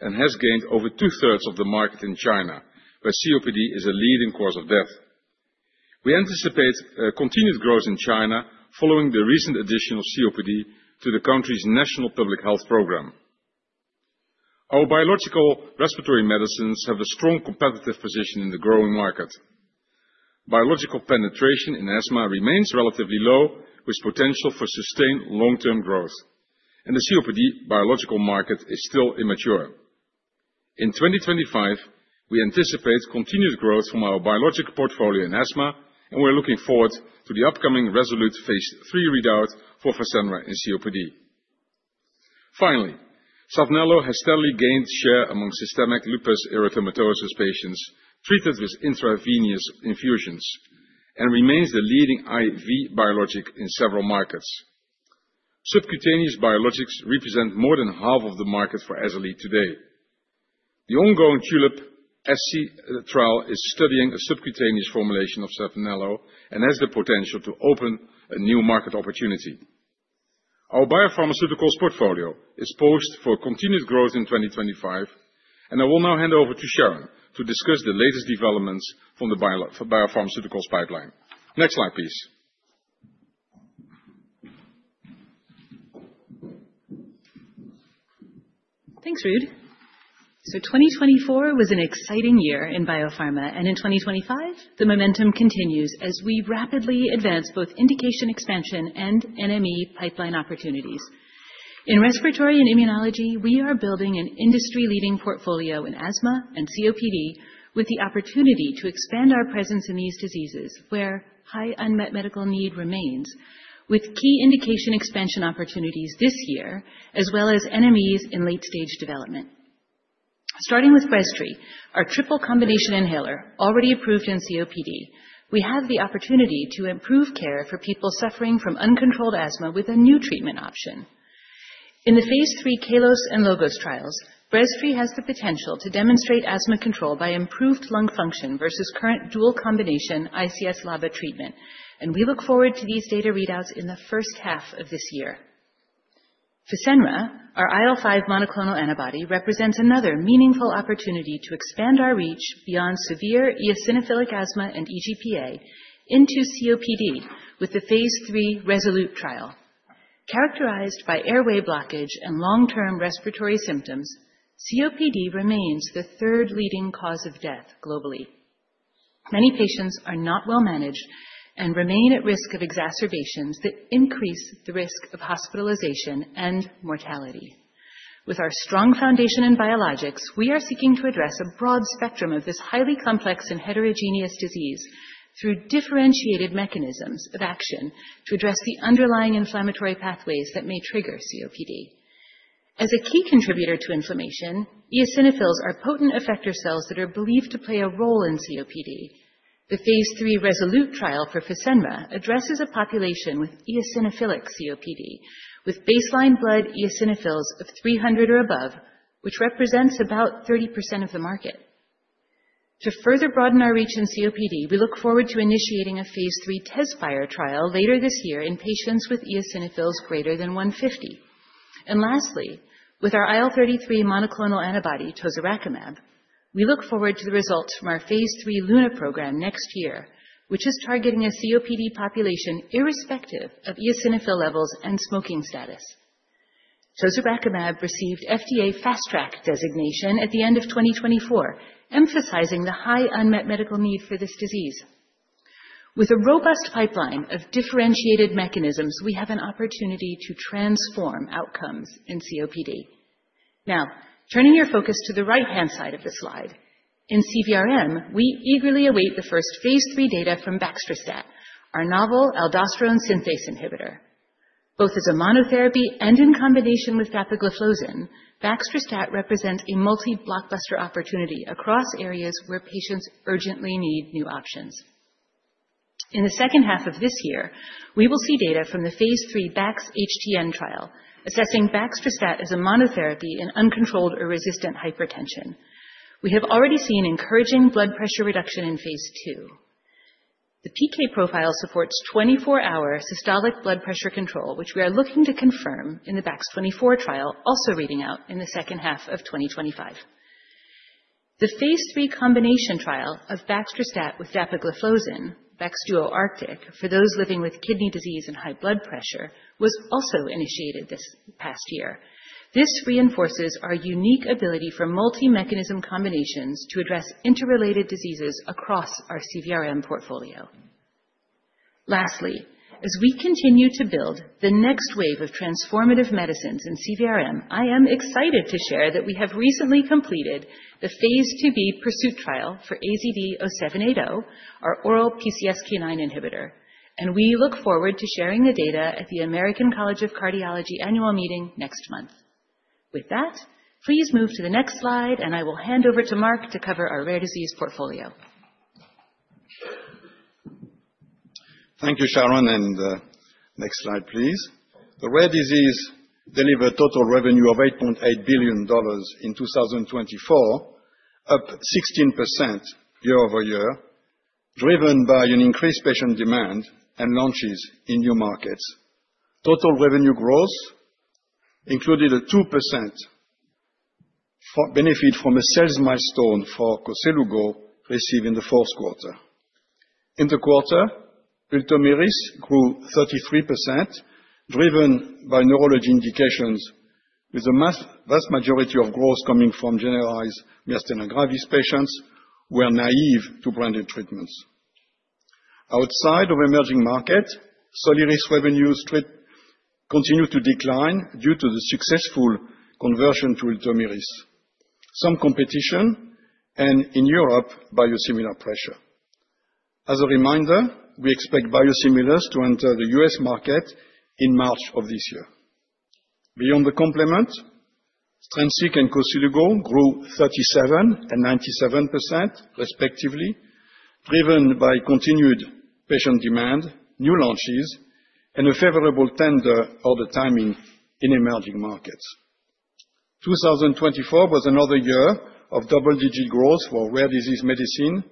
and has gained over two-thirds of the market in China, where COPD is a leading cause of death. We anticipate continued growth in China following the recent addition of COPD to the country's national public health program. Our biological respiratory medicines have a strong competitive position in the growing market. Biological penetration in asthma remains relatively low, with potential for sustained long-term growth, and the COPD biological market is still immature. In 2025, we anticipate continued growth from our biologic portfolio in asthma, and we're looking forward to the upcoming RESOLUTE phase 3 readout for Fasenra and COPD. Finally, Saphnelo has steadily gained share among systemic lupus erythematosus patients treated with intravenous infusions and remains the leading IV biologic in several markets. Subcutaneous biologics represent more than half of the market for SLE today. The ongoing TULIP SC trial is studying a subcutaneous formulation of Saphnelo and has the potential to open a new market opportunity. Our biopharmaceuticals portfolio is poised for continued growth in 2025, and I will now hand over to Sharon to discuss the latest developments from the biopharmaceuticals pipeline. Next slide, please. Thanks, Ruud. So 2024 was an exciting year in biopharma, and in 2025, the momentum continues as we rapidly advance both indication expansion and NME pipeline opportunities. In respiratory and immunology, we are building an industry-leading portfolio in asthma and COPD with the opportunity to expand our presence in these diseases where high unmet medical need remains, with key indication expansion opportunities this year, as well as NMEs in late-stage development. Starting with Breztri, our triple combination inhaler, already approved in COPD, we have the opportunity to improve care for people suffering from uncontrolled asthma with a new treatment option. In the phase three KALOS and LOGOS trials, Breztri has the potential to demonstrate asthma control by improved lung function versus current dual combination ICS LABA treatment, and we look forward to these data readouts in the first half of this year. Fasenra, our IL-5 monoclonal antibody, represents another meaningful opportunity to expand our reach beyond severe eosinophilic asthma and EGPA into COPD with the phase 3 RESOLUTE trial. Characterized by airway blockage and long-term respiratory symptoms, COPD remains the third leading cause of death globally. Many patients are not well managed and remain at risk of exacerbations that increase the risk of hospitalization and mortality. With our strong foundation in biologics, we are seeking to address a broad spectrum of this highly complex and heterogeneous disease through differentiated mechanisms of action to address the underlying inflammatory pathways that may trigger COPD. As a key contributor to inflammation, eosinophils are potent effector cells that are believed to play a role in COPD. The phase 3 RESOLUTE trial for Fasenra addresses a population with eosinophilic COPD, with baseline blood eosinophils of 300 or above, which represents about 30% of the market. To further broaden our reach in COPD, we look forward to initiating a phase 3 Tezspire trial later this year in patients with eosinophils greater than 150. And lastly, with our IL-33 monoclonal antibody, Tozorakimab, we look forward to the results from our phase 3 LUNA program next year, which is targeting a COPD population irrespective of eosinophil levels and smoking status. Tozorakimab received FDA Fast Track designation at the end of 2024, emphasizing the high unmet medical need for this disease. With a robust pipeline of differentiated mechanisms, we have an opportunity to transform outcomes in COPD. Now, turning your focus to the right-hand side of the slide, in CVRM, we eagerly await the first phase 3 data from Baxdrostat, our novel aldosterone synthase inhibitor. Both as a monotherapy and in combination with dapagliflozin, Baxdrostat represents a multi-blockbuster opportunity across areas where patients urgently need new options. In the second half of this year, we will see data from the phase 3 BAX-HTN trial, assessing Baxdrostat as a monotherapy in uncontrolled or resistant hypertension. We have already seen encouraging blood pressure reduction in phase 2. The PK profile supports 24-hour systolic blood pressure control, which we are looking to confirm in the BAX-24 trial, also reading out in the second half of 2025. The phase 3 combination trial of Baxdrostat with dapagliflozin, Baxdrostat Arctic, for those living with kidney disease and high blood pressure, was also initiated this past year. This reinforces our unique ability for multi-mechanism combinations to address interrelated diseases across our CVRM portfolio. Lastly, as we continue to build the next wave of transformative medicines in CVRM, I am excited to share that we have recently completed the phase 2b PURSUIT trial for AZD0780, our oral PCSK9 inhibitor, and we look forward to sharing the data at the American College of Cardiology annual meeting next month. With that, please move to the next slide, and I will hand over to Mark to cover our rare disease portfolio. Thank you, Sharon, and next slide, please. The rare disease delivered total revenue of $8.8 billion in 2024, up 16% year over year, driven by an increased patient demand and launches in new markets. Total revenue growth included a 2% benefit from a sales milestone for Koselugo received in the fourth quarter. In the quarter, Ultomiris grew 33%, driven by neurology indications, with the vast majority of growth coming from generalized Myasthenia Gravis patients who were naïve to branded treatments. Outside of emerging markets, Soliris revenues continued to decline due to the successful conversion to Ultomiris, some competition, and in Europe, biosimilar pressure. As a reminder, we expect biosimilars to enter the U.S. market in March of this year. Beyond the complement, Strensiq and Koselugo grew 37% and 97%, respectively, driven by continued patient demand, new launches, and a favorable tender order timing in emerging markets. 2024 was another year of double-digit growth for rare disease medicine,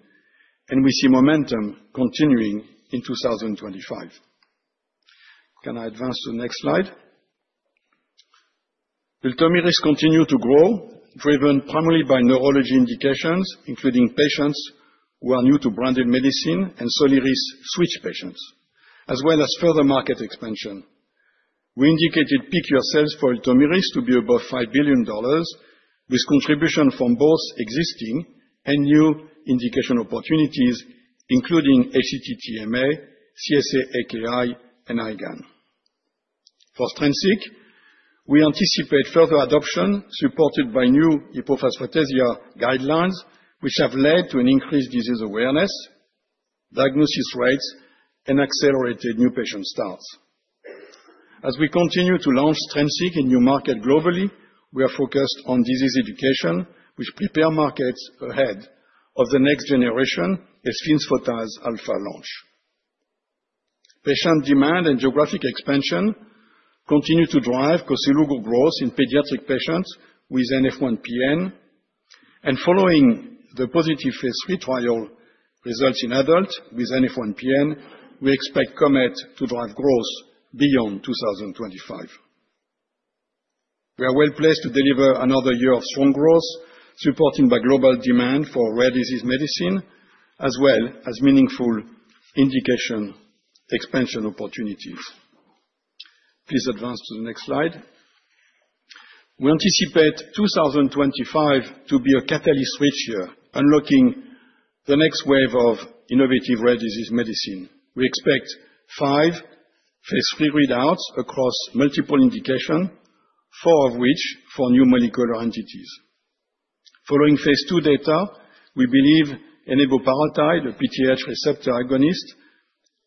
and we see momentum continuing in 2025. Can I advance to the next slide? Rilvagostimig continued to grow, driven primarily by neurology indications, including patients who are new to branded medicine and Soliris switch patients, as well as further market expansion. We indicated peak year sales for Rilvagostimig to be above $5 billion, with contribution from both existing and new indication opportunities, including HCT-TMA, CSA AKI, and IGAN. For Strensiq, we anticipate further adoption supported by new hypophosphatasia guidelines, which have led to an increased disease awareness, diagnosis rates, and accelerated new patient starts. As we continue to launch Strensiq in new markets globally, we are focused on disease education, which prepares markets ahead of the next generation asfotase alfa launch. Patient demand and geographic expansion continue to drive Koselugo growth in pediatric patients with NF1-PN, and following the positive phase 3 trial results in adults with NF1-PN, we expect COMET to drive growth beyond 2025. We are well placed to deliver another year of strong growth, supported by global demand for rare disease medicine, as well as meaningful indication expansion opportunities. Please advance to the next slide. We anticipate 2025 to be a catalyst switch year, unlocking the next wave of innovative rare disease medicine. We expect five phase 3 readouts across multiple indications, four of which for new molecular entities. Following phase 2 data, we believe eniboparatide, a PTH receptor agonist,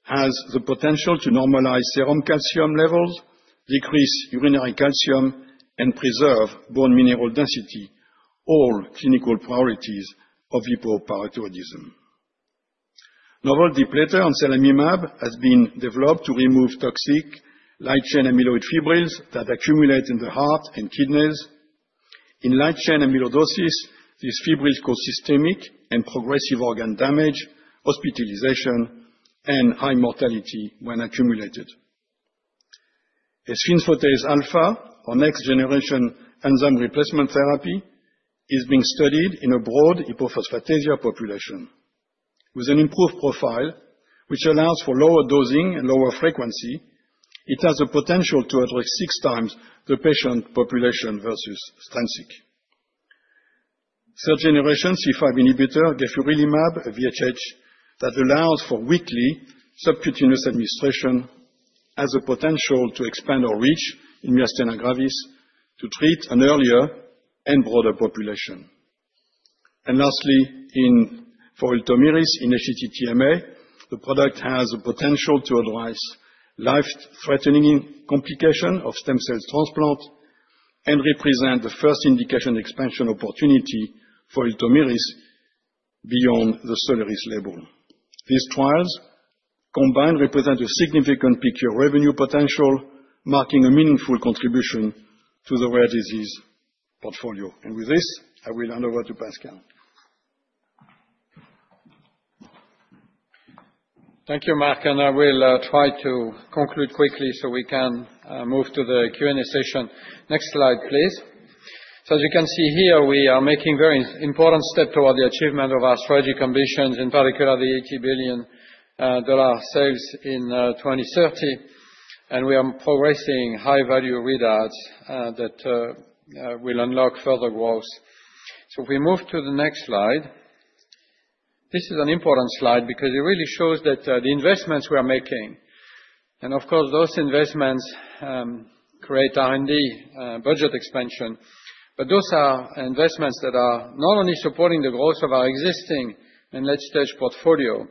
has the potential to normalize serum calcium levels, decrease urinary calcium, and preserve bone mineral density, all clinical priorities of hypoparathyroidism. Novel depleter on Anselamimab has been developed to remove toxic light-chain amyloid fibrils that accumulate in the heart and kidneys. In light-chain amyloidosis, these fibrils cause systemic and progressive organ damage, hospitalization, and high mortality when accumulated. Asfotase Alfa, our next-generation enzyme replacement therapy, is being studied in a broad hypophosphatasia population. With an improved profile, which allows for lower dosing and lower frequency, it has the potential to address six times the patient population versus Strensiq. Third-generation C5 inhibitor, Gefurulimab, a VHH that allows for weekly subcutaneous administration, has the potential to expand our reach in myasthenia gravis to treat an earlier and broader population. And lastly, for Rilvagostimig in HCT-TMA, the product has the potential to address life-threatening complications of stem cell transplant and represent the first indication expansion opportunity for Rilvagostimig beyond the Soliris label. These trials combined represent a significant peak year revenue potential, marking a meaningful contribution to the rare disease portfolio. With this, I will hand over to Pascal. Thank you, Mark, and I will try to conclude quickly so we can move to the Q&A session. Next slide, please, so as you can see here, we are making very important steps toward the achievement of our strategic ambitions, in particular the $80 billion sales in 2030, and we are progressing high-value readouts that will unlock further growth, so if we move to the next slide, this is an important slide because it really shows the investments we are making, and of course, those investments create R&D budget expansion, but those are investments that are not only supporting the growth of our existing and late-stage portfolio,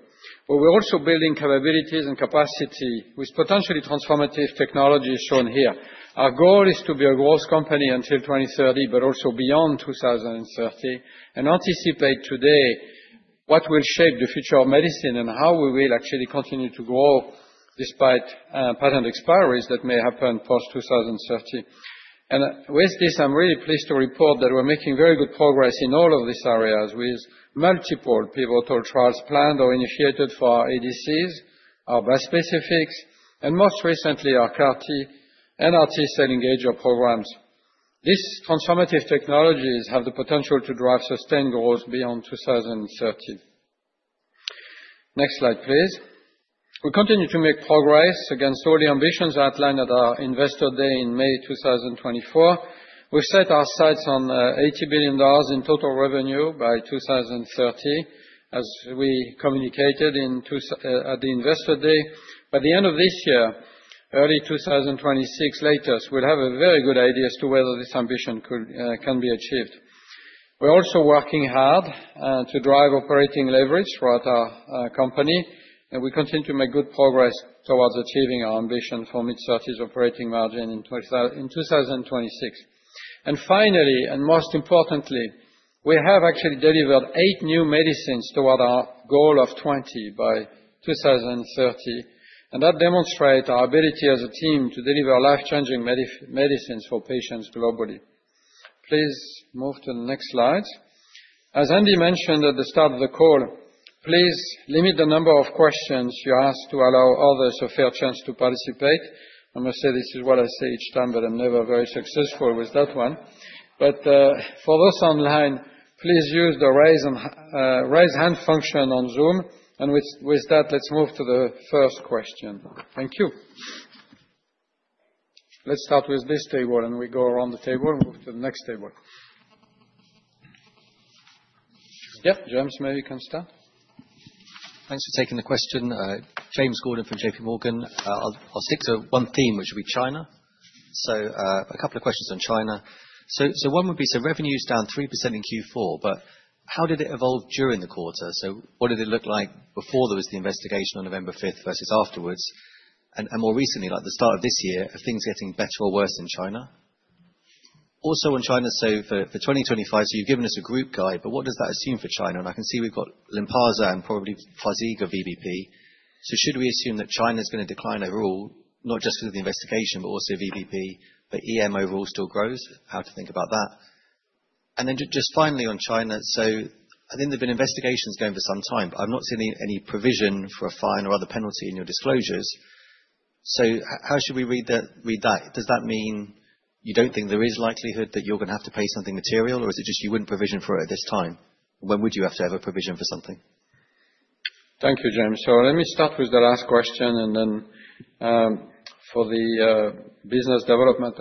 but we're also building capabilities and capacity with potentially transformative technologies shown here. Our goal is to be a growth company until 2030, but also beyond 2030, and anticipate today what will shape the future of medicine and how we will actually continue to grow despite patent expiry that may happen post-2030. And with this, I'm really pleased to report that we're making very good progress in all of these areas with multiple pivotal trials planned or initiated for our ADCs, our bispecifics, and most recently, our CAR-T and T-cell engager programs. These transformative technologies have the potential to drive sustained growth beyond 2030. Next slide, please. We continue to make progress against all the ambitions outlined at our investor day in May 2024. We've set our sights on $80 billion in total revenue by 2030, as we communicated at the investor day. By the end of this year, early 2026, latest, we'll have a very good idea as to whether this ambition can be achieved. We're also working hard to drive operating leverage throughout our company, and we continue to make good progress towards achieving our ambition for mid-30s% operating margin in 2026. And finally, and most importantly, we have actually delivered eight new medicines toward our goal of 20 by 2030, and that demonstrates our ability as a team to deliver life-changing medicines for patients globally. Please move to the next slide. As Andy mentioned at the start of the call, please limit the number of questions you ask to allow others a fair chance to participate. I must say this is what I say each time, but I'm never very successful with that one. But for those online, please use the raise hand function on Zoom, and with that, let's move to the first question. Thank you. Let's start with this table, and we go around the table and move to the next table. Yeah, James, maybe you can start. Thanks for taking the question. James Gordon from J.P. Morgan. I'll stick to one theme, which will be China. So a couple of questions on China. So one would be, so revenue is down 3% in Q4, but how did it evolve during the quarter? So what did it look like before there was the investigation on November 5th versus afterwards? And more recently, like the start of this year, are things getting better or worse in China? Also on China, so for 2025, so you've given us a group guide, but what does that assume for China? And I can see we've got Lynparza and probably Farxiga VBP. So should we assume that China is going to decline overall, not just with the investigation, but also VBP, but EM overall still grows? How to think about that? And then, just finally on China, so I think there've been investigations going for some time, but I've not seen any provision for a fine or other penalty in your disclosures. So how should we read that? Does that mean you don't think there is likelihood that you're going to have to pay something material, or is it just you wouldn't provision for it at this time? When would you have to have a provision for something? Thank you, James. Let me start with the last question, and then for the business development,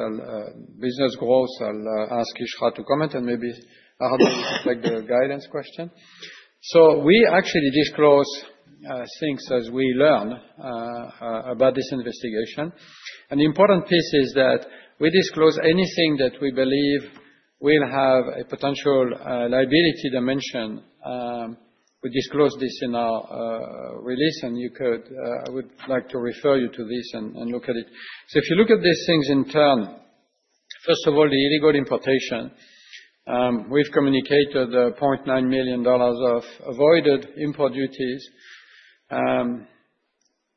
business growth, I'll ask Iskra to comment, and maybe Aradhana will take the guidance question. We actually disclose things as we learn about this investigation. An important piece is that we disclose anything that we believe will have a potential liability dimension. We disclose this in our release, and you could, I would like to refer you to this and look at it. If you look at these things in turn, first of all, the illegal importation, we've communicated $0.9 million of avoided import duties.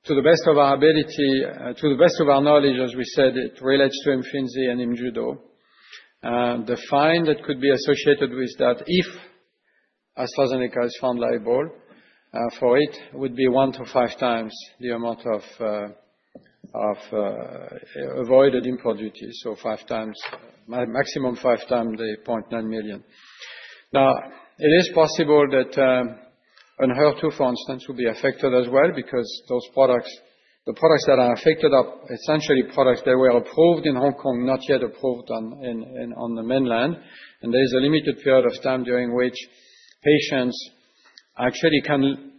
To the best of our ability, to the best of our knowledge, as we said, it relates to Imfinzi and Imjudo. The fine that could be associated with that, if AstraZeneca is found liable for it, would be one to five times the amount of avoided import duties, so five times, maximum five times the $0.9 million. Now, it is possible that Enhertu, for instance, would be affected as well, because those products, the products that are affected are essentially products that were approved in Hong Kong, not yet approved on the mainland, and there is a limited period of time during which patients actually can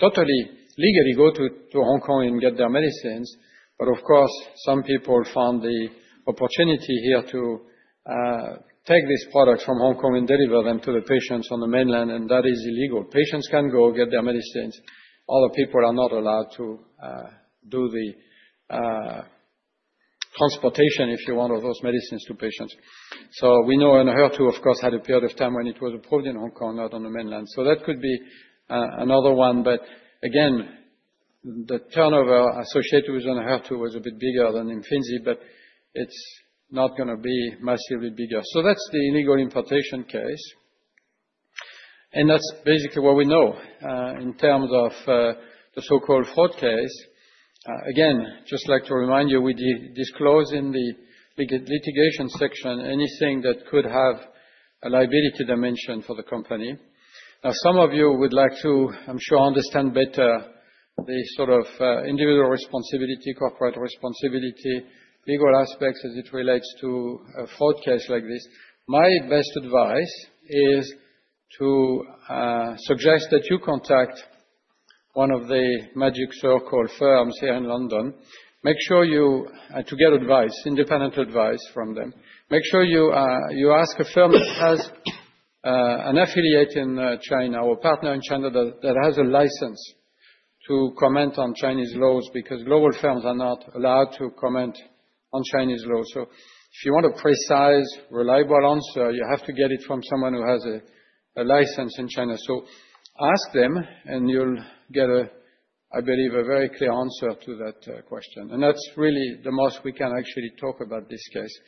totally legally go to Hong Kong and get their medicines, but of course, some people found the opportunity here to take these products from Hong Kong and deliver them to the patients on the mainland, and that is illegal. Patients can go get their medicines. Other people are not allowed to do the transportation, if you want, of those medicines to patients. So we know Enhertu, of course, had a period of time when it was approved in Hong Kong, not on the mainland. So that could be another one. But again, the turnover associated with Enhertu was a bit bigger than Imfinzi, but it's not going to be massively bigger. So that's the illegal importation case. And that's basically what we know in terms of the so-called fraud case. Again, just like to remind you, we disclose in the litigation section anything that could have a liability dimension for the company. Now, some of you would like to, I'm sure, understand better the sort of individual responsibility, corporate responsibility, legal aspects as it relates to a fraud case like this. My best advice is to suggest that you contact one of the magic circle firms here in London. Make sure you get advice, independent advice from them. Make sure you ask a firm that has an affiliate in China or a partner in China that has a license to comment on Chinese laws, because global firms are not allowed to comment on Chinese laws. So if you want a precise, reliable answer, you have to get it from someone who has a license in China. So ask them, and you'll get, I believe, a very clear answer to that question. And that's really the most we can actually talk about this case.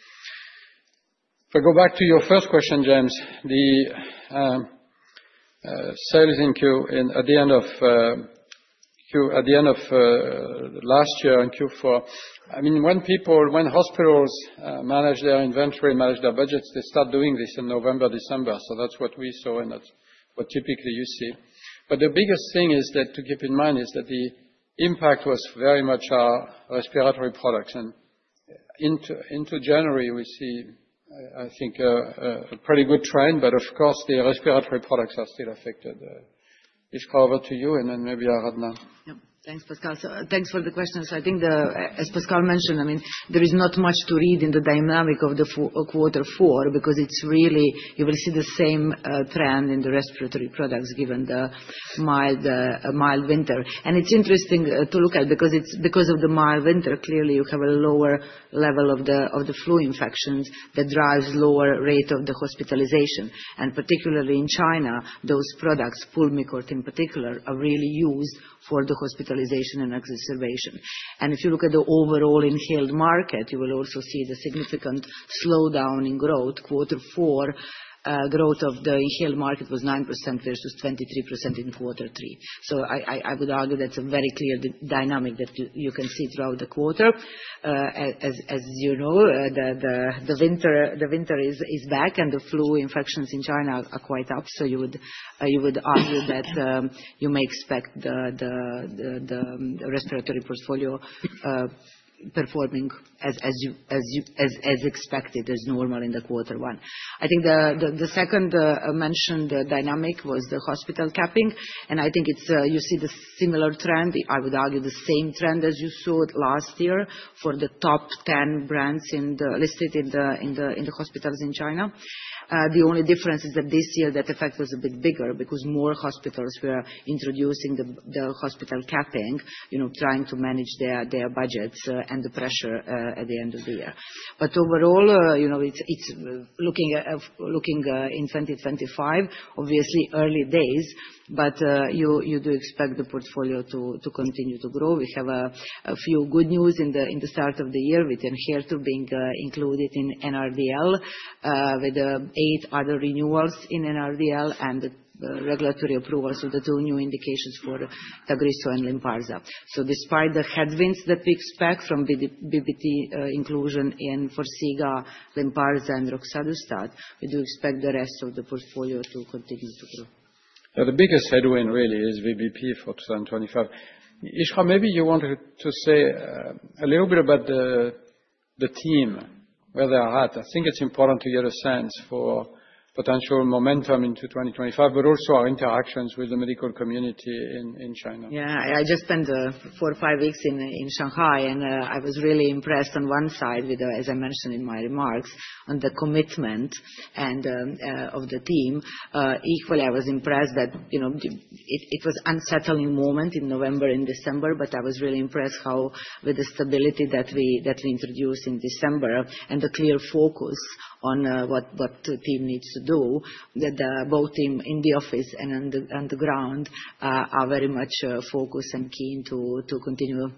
If I go back to your first question, James, the sales in Q at the end of Q, at the end of last year in Q4, I mean, when people, when hospitals manage their inventory and manage their budgets, they start doing this in November, December. So that's what we saw, and that's what typically you see. But the biggest thing to keep in mind is that the impact was very much our respiratory products. And into January, we see, I think, a pretty good trend, but of course, the respiratory products are still affected. Iskra, over to you, and then maybe Aradhana. Thanks, Pascal. Thanks for the question. I think, as Pascal mentioned, I mean, there is not much to read in the dynamic of quarter four, because it's really, you will see the same trend in the respiratory products given the mild winter. It's interesting to look at, because of the mild winter, clearly you have a lower level of the flu infections that drives lower rate of the hospitalization. Particularly in China, those products, Pulmicort in particular, are really used for the hospitalization and exacerbation. If you look at the overall inhaled market, you will also see the significant slowdown in growth. Quarter four growth of the inhaled market was 9% versus 23% in quarter three. I would argue that's a very clear dynamic that you can see throughout the quarter. As you know, the winter is back, and the flu infections in China are quite up. So you would argue that you may expect the respiratory portfolio performing as expected, as normal in the quarter one. I think the second mentioned dynamic was the hospital capping. And I think you see the similar trend, I would argue the same trend as you saw last year for the top 10 brands listed in the hospitals in China. The only difference is that this year that effect was a bit bigger, because more hospitals were introducing the hospital capping, trying to manage their budgets and the pressure at the end of the year. But overall, looking in 2025, obviously early days, but you do expect the portfolio to continue to grow. We have a few good news at the start of the year with Enhertu being included in NRDL with eight other renewals in NRDL and regulatory approvals of the two new indications for Tagrisso and Lynparza. So despite the headwinds that we expect from VBP inclusion in Farxiga, Lynparza, and Roxadustat, we do expect the rest of the portfolio to continue to grow. Yeah, the biggest headwind really is VBP for 2025. Iskra, maybe you wanted to say a little bit about the team, where they are at. I think it's important to get a sense for potential momentum into 2025, but also our interactions with the medical community in China. Yeah, I just spent four or five weeks in Shanghai, and I was really impressed on one side with, as I mentioned in my remarks, on the commitment of the team. Equally, I was impressed that it was an unsettling moment in November and December, but I was really impressed with the stability that we introduced in December and the clear focus on what the team needs to do, that both in the office and on the ground are very much focused and keen to continue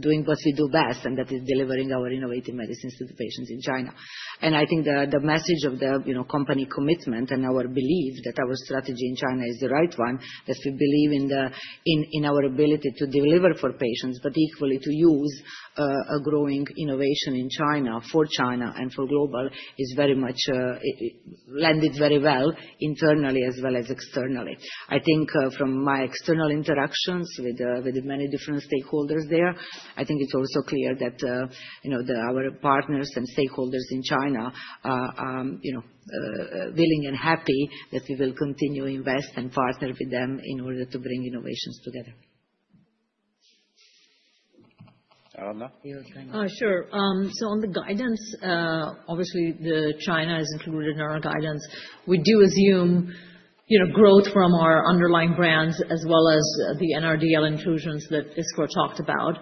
doing what we do best, and that is delivering our innovative medicines to the patients in China. I think the message of the company commitment and our belief that our strategy in China is the right one, that we believe in our ability to deliver for patients, but equally to use a growing innovation in China for China and for global is very much landed very well internally as well as externally. I think from my external interactions with many different stakeholders there, I think it's also clear that our partners and stakeholders in China are willing and happy that we will continue to invest and partner with them in order to bring innovations together. Aradhana? Sure. So on the guidance, obviously, China is included in our guidance. We do assume growth from our underlying brands as well as the NRDL inclusions that Iskra talked about.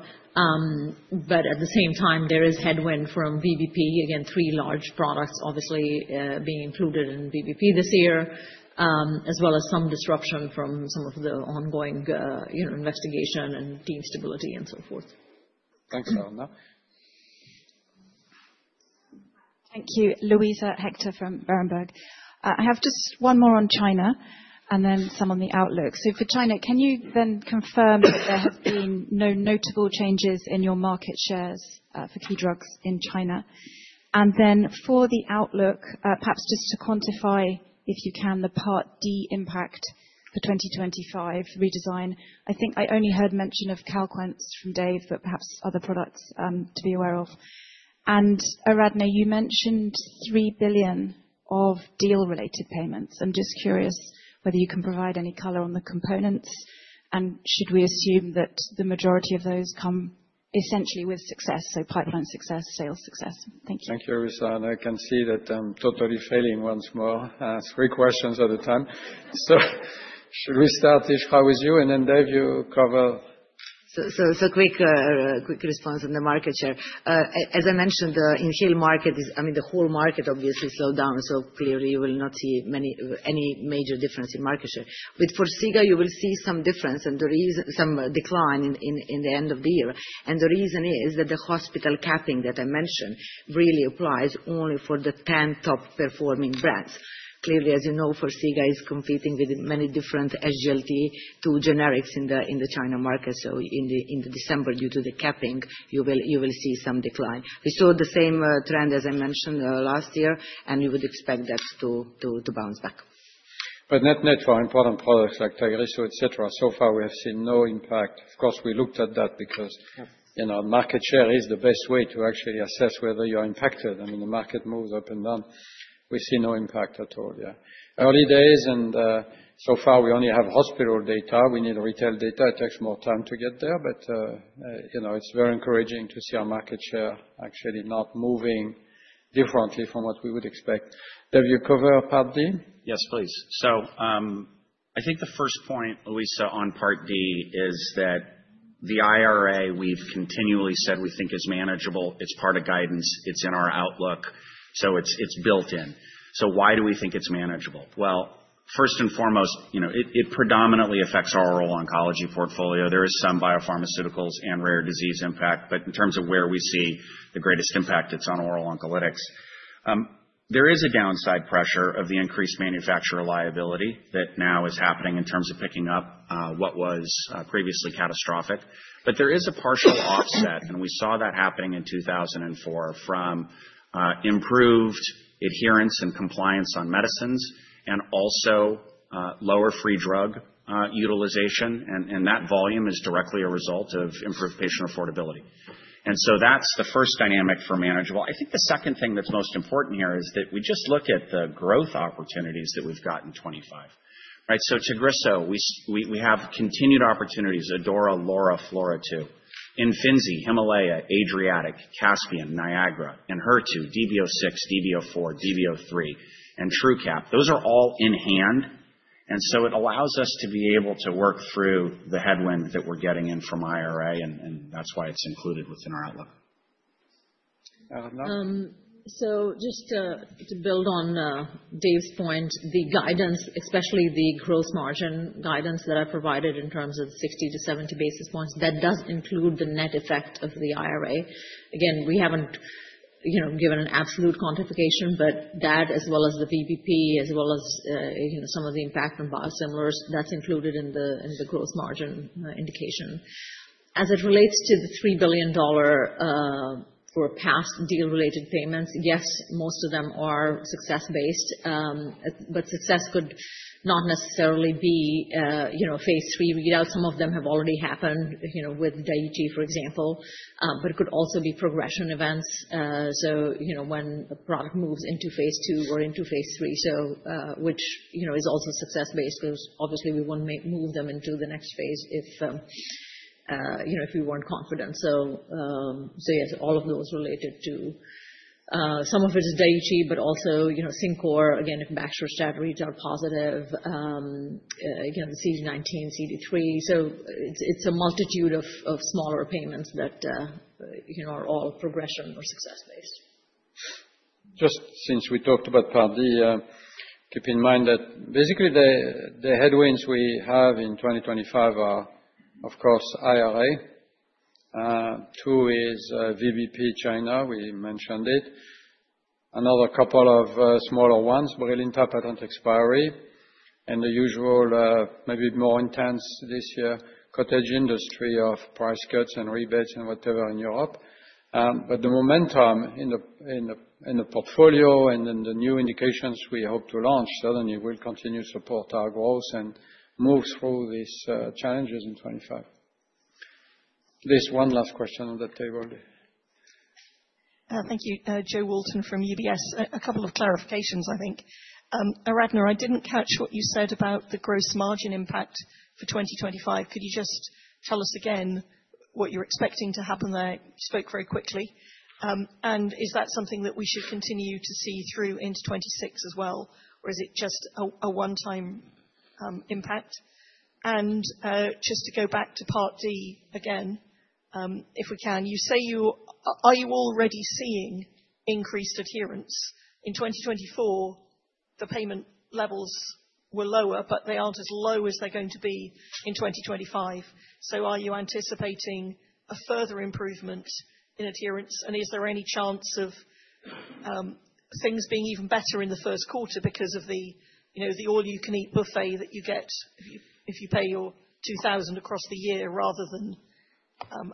But at the same time, there is headwind from VBP, again, three large products obviously being included in VBP this year, as well as some disruption from some of the ongoing investigation and team stability and so forth. Thanks, Aradhana. Thank you. Luisa Hector from Berenberg. I have just one more on China and then some on the outlook. So for China, can you then confirm that there have been no notable changes in your market shares for key drugs in China? And then for the outlook, perhaps just to quantify, if you can, the Part D impact for 2025 redesign. I think I only heard mention of Calquence from Dave, but perhaps other products to be aware of. And Aradhana, you mentioned $3 billion of deal-related payments. I'm just curious whether you can provide any color on the components, and should we assume that the majority of those come essentially with success, so pipeline success, sales success? Thank you. Thank you, Aradhana. I can see that I'm totally failing once more. Three questions at a time. So should we start, Iskra, with you, and then Dave, you cover? Quick response on the market share. As I mentioned, the inhaled market, I mean, the whole market obviously slowed down, so clearly you will not see any major difference in market share. With Farxiga, you will see some difference and some decline in the end of the year. And the reason is that the hospital capping that I mentioned really applies only for the 10 top-performing brands. Clearly, as you know, Farxiga is competing with many different SGLT2 generics in the China market. So in December, due to the capping, you will see some decline. We saw the same trend, as I mentioned, last year, and we would expect that to bounce back. But net for important products like Tagrisso, et cetera, so far we have seen no impact. Of course, we looked at that because market share is the best way to actually assess whether you're impacted. I mean, the market moves up and down. We see no impact at all, yeah. Early days, and so far we only have hospital data. We need retail data. It takes more time to get there, but it's very encouraging to see our market share actually not moving differently from what we would expect. Dave, you cover Part D? Yes, please. So I think the first point, Louisa, on Part D is that the IRA we've continually said we think is manageable. It's part of guidance. It's in our outlook. So it's built in. So why do we think it's manageable? Well, first and foremost, it predominantly affects our oral oncology portfolio. There is some biopharmaceuticals and rare disease impact, but in terms of where we see the greatest impact, it's on oral oncolytics. There is a downside pressure of the increased manufacturer liability that now is happening in terms of picking up what was previously catastrophic. But there is a partial offset, and we saw that happening in 2004 from improved adherence and compliance on medicines and also lower free drug utilization. And that volume is directly a result of improved patient affordability. And so that's the first dynamic for manageable. I think the second thing that's most important here is that we just look at the growth opportunities that we've got in '25, so Tagrisso, we have continued opportunities: ADAURA, LAURA, FLAURA2. Imfinzi, HIMALAYA, ADRIATIC, CASPIAN, NIAGARA, Enhertu, DBO6, DBO4, DBO3, and Truqap. Those are all in hand, and so it allows us to be able to work through the headwind that we're getting in from IRA, and that's why it's included within our outlook. Ardhana? Just to build on Dave's point, the guidance, especially the gross margin guidance that I provided in terms of 60-70 basis points, that does include the net effect of the IRA. Again, we haven't given an absolute quantification, but that, as well as the VBP, as well as some of the impact from biosimilars, that's included in the gross margin indication. As it relates to the $3 billion for past deal-related payments, yes, most of them are success-based, but success could not necessarily be phase three. Some of them have already happened with Dato, for example, but it could also be progression events. When a product moves into phase two or into phase three, which is also success-based, because obviously we wouldn't move them into the next phase if we weren't confident. So yes, all of those related to some of it is Daiichi, but also synCOR. Again, if Baxter strategies are positive, the CD19, CD3. So it's a multitude of smaller payments that are all progression or success-based. Just since we talked about Part D, keep in mind that basically the headwinds we have in 2025 are, of course, IRA. Two is VBP China. We mentioned it. Another couple of smaller ones, Brilinta patent expire, and the usual, maybe more intense this year, cottage industry of price cuts and rebates and whatever in Europe. But the momentum in the portfolio and in the new indications we hope to launch suddenly will continue to support our growth and move through these challenges in 2025. There's one last question on the table. Thank you. Jo Walton from UBS. A couple of clarifications, I think. Aradhana, I didn't catch what you said about the gross margin impact for 2025. Could you just tell us again what you're expecting to happen there? You spoke very quickly. And is that something that we should continue to see through into 2026 as well, or is it just a one-time impact? And just to go back to Part D again, if we can, you say you are already seeing increased adherence? In 2024, the payment levels were lower, but they aren't as low as they're going to be in 2025. So are you anticipating a further improvement in adherence? And is there any chance of things being even better in the first quarter because of the all-you-can-eat buffet that you get if you pay your $2,000 across the year rather than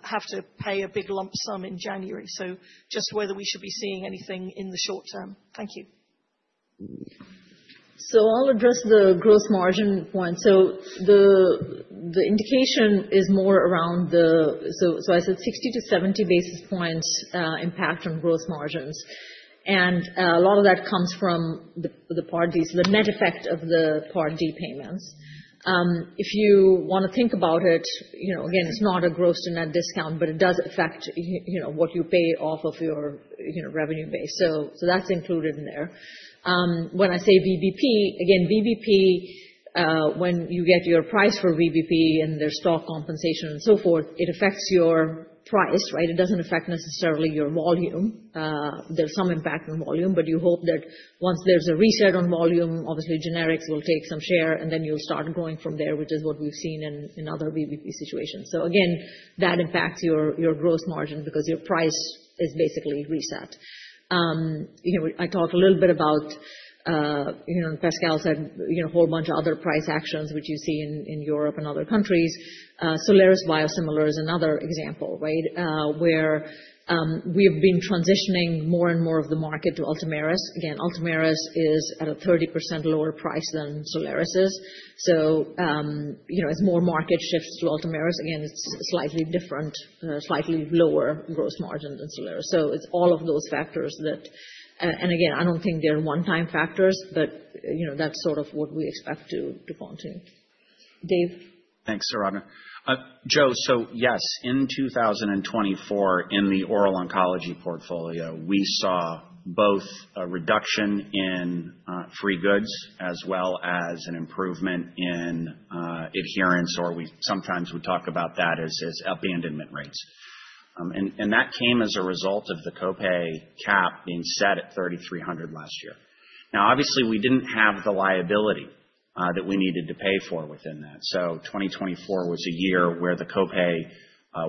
have to pay a big lump sum in January? So just whether we should be seeing anything in the short term. Thank you. I'll address the gross margin point. The indication is more around the, so I said 60-70 basis points impact on gross margins. A lot of that comes from the Part D, so the net effect of the Part D payments. If you want to think about it, again, it's not a gross to net discount, but it does affect what you pay off of your revenue base. That's included in there. When I say VBP, again, VBP, when you get your price for VBP and their stock compensation and so forth, it affects your price, right? It doesn't affect necessarily your volume. There's some impact on volume, but you hope that once there's a reset on volume, obviously generics will take some share, and then you'll start growing from there, which is what we've seen in other VBP situations. So again, that impacts your gross margin because your price is basically reset. I talked a little bit about Pascal said a whole bunch of other price actions, which you see in Europe and other countries. Soliris biosimilar is another example, right, where we have been transitioning more and more of the market to Ultomiris. Again, Ultomiris is at a 30% lower price than Soliris is. So as more market shifts to Ultomiris, again, it's slightly different, slightly lower gross margin than Soliris. So it's all of those factors that, and again, I don't think they're one-time factors, but that's sort of what we expect to continue. Dave? Thanks, Aradhana. Joe, so yes, in 2024, in the oral oncology portfolio, we saw both a reduction in free goods as well as an improvement in adherence, or sometimes we talk about that as abandonment rates. And that came as a result of the copay cap being set at $3,300 last year. Now, obviously, we didn't have the liability that we needed to pay for within that. So 2024 was a year where the copay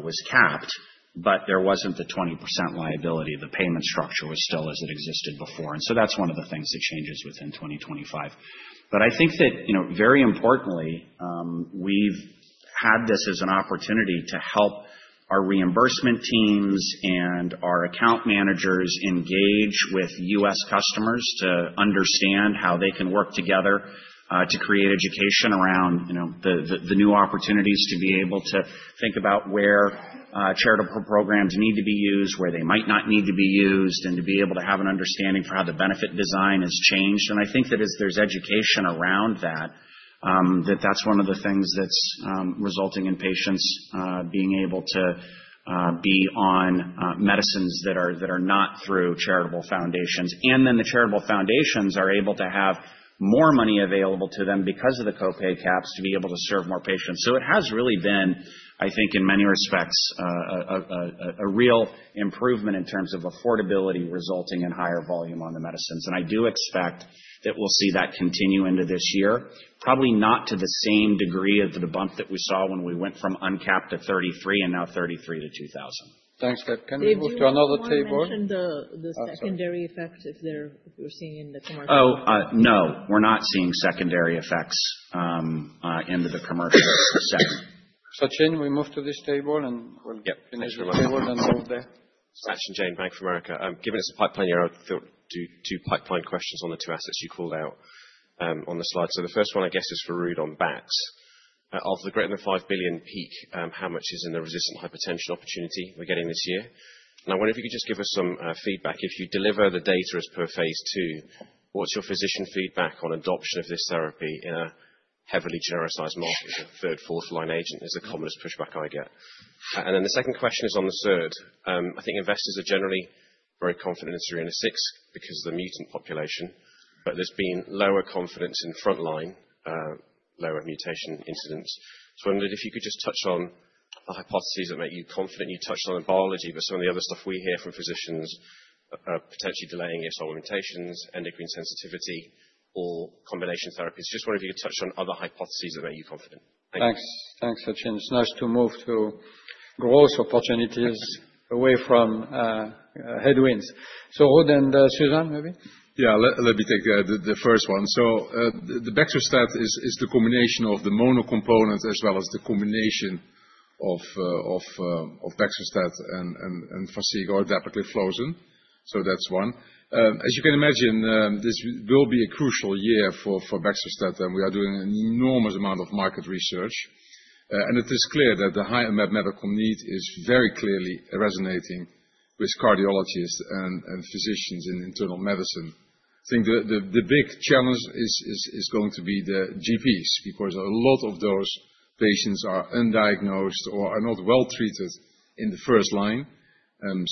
was capped, but there wasn't the 20% liability. The payment structure was still as it existed before. And so that's one of the things that changes within 2025. But I think that very importantly, we've had this as an opportunity to help our reimbursement teams and our account managers engage with U.S. customers to understand how they can work together to create education around the new opportunities to be able to think about where charitable programs need to be used, where they might not need to be used, and to be able to have an understanding for how the benefit design has changed. And I think that as there's education around that, that that's one of the things that's resulting in patients being able to be on medicines that are not through charitable foundations. And then the charitable foundations are able to have more money available to them because of the copay caps to be able to serve more patients. So it has really been, I think, in many respects, a real improvement in terms of affordability resulting in higher volume on the medicines. I do expect that we'll see that continue into this year, probably not to the same degree of the bump that we saw when we went from uncapped to 33 and now 33 to 2,000. Thanks, Kev. Can we move to another table? Dave, you mentioned the secondary effects we're seeing in the commercial. Oh, no, we're not seeing secondary effects into the commercial segment. So, Jane, we move to this table, and we'll finish the table and move there. Thanks, Jane. Thanks, America. Given it's a pipeline year, I thought two pipeline questions on the two assets you called out on the slide. So the first one, I guess, is for Ruud on Bax. Of the >$5 billion peak, how much is in the resistant hypertension opportunity we're getting this year? And I wonder if you could just give us some feedback. If you deliver the data as per phase 2, what's your physician feedback on adoption of this therapy in a heavily genericized market as a third, fourth-line agent? It's the commonest pushback I get. And then the second question is on the SERD. I think investors are generally very confident in SERENA-6 because of the mutant population, but there's been lower confidence in frontline, lower mutation incidence. So I wondered if you could just touch on the hypotheses that make you confident. You touched on the biology, but some of the other stuff we hear from physicians are potentially delaying ESR1 mutations, endocrine sensitivity, or combination therapies. Just wonder if you could touch on other hypotheses that make you confident? Thanks. Thanks, Sachin. Nice to move to growth opportunities away from headwinds. So Ruud and Susan, maybe? Yeah, let me take the first one. So the Baxdrostat is the combination of the monocomponent as well as the combination of Baxdrostat and Farxiga or dapagliflozin. So that's one. As you can imagine, this will be a crucial year for Baxdrostat, and we are doing an enormous amount of market research. And it is clear that the high medical need is very clearly resonating with cardiologists and physicians in internal medicine. I think the big challenge is going to be the GPs because a lot of those patients are undiagnosed or are not well treated in the first line.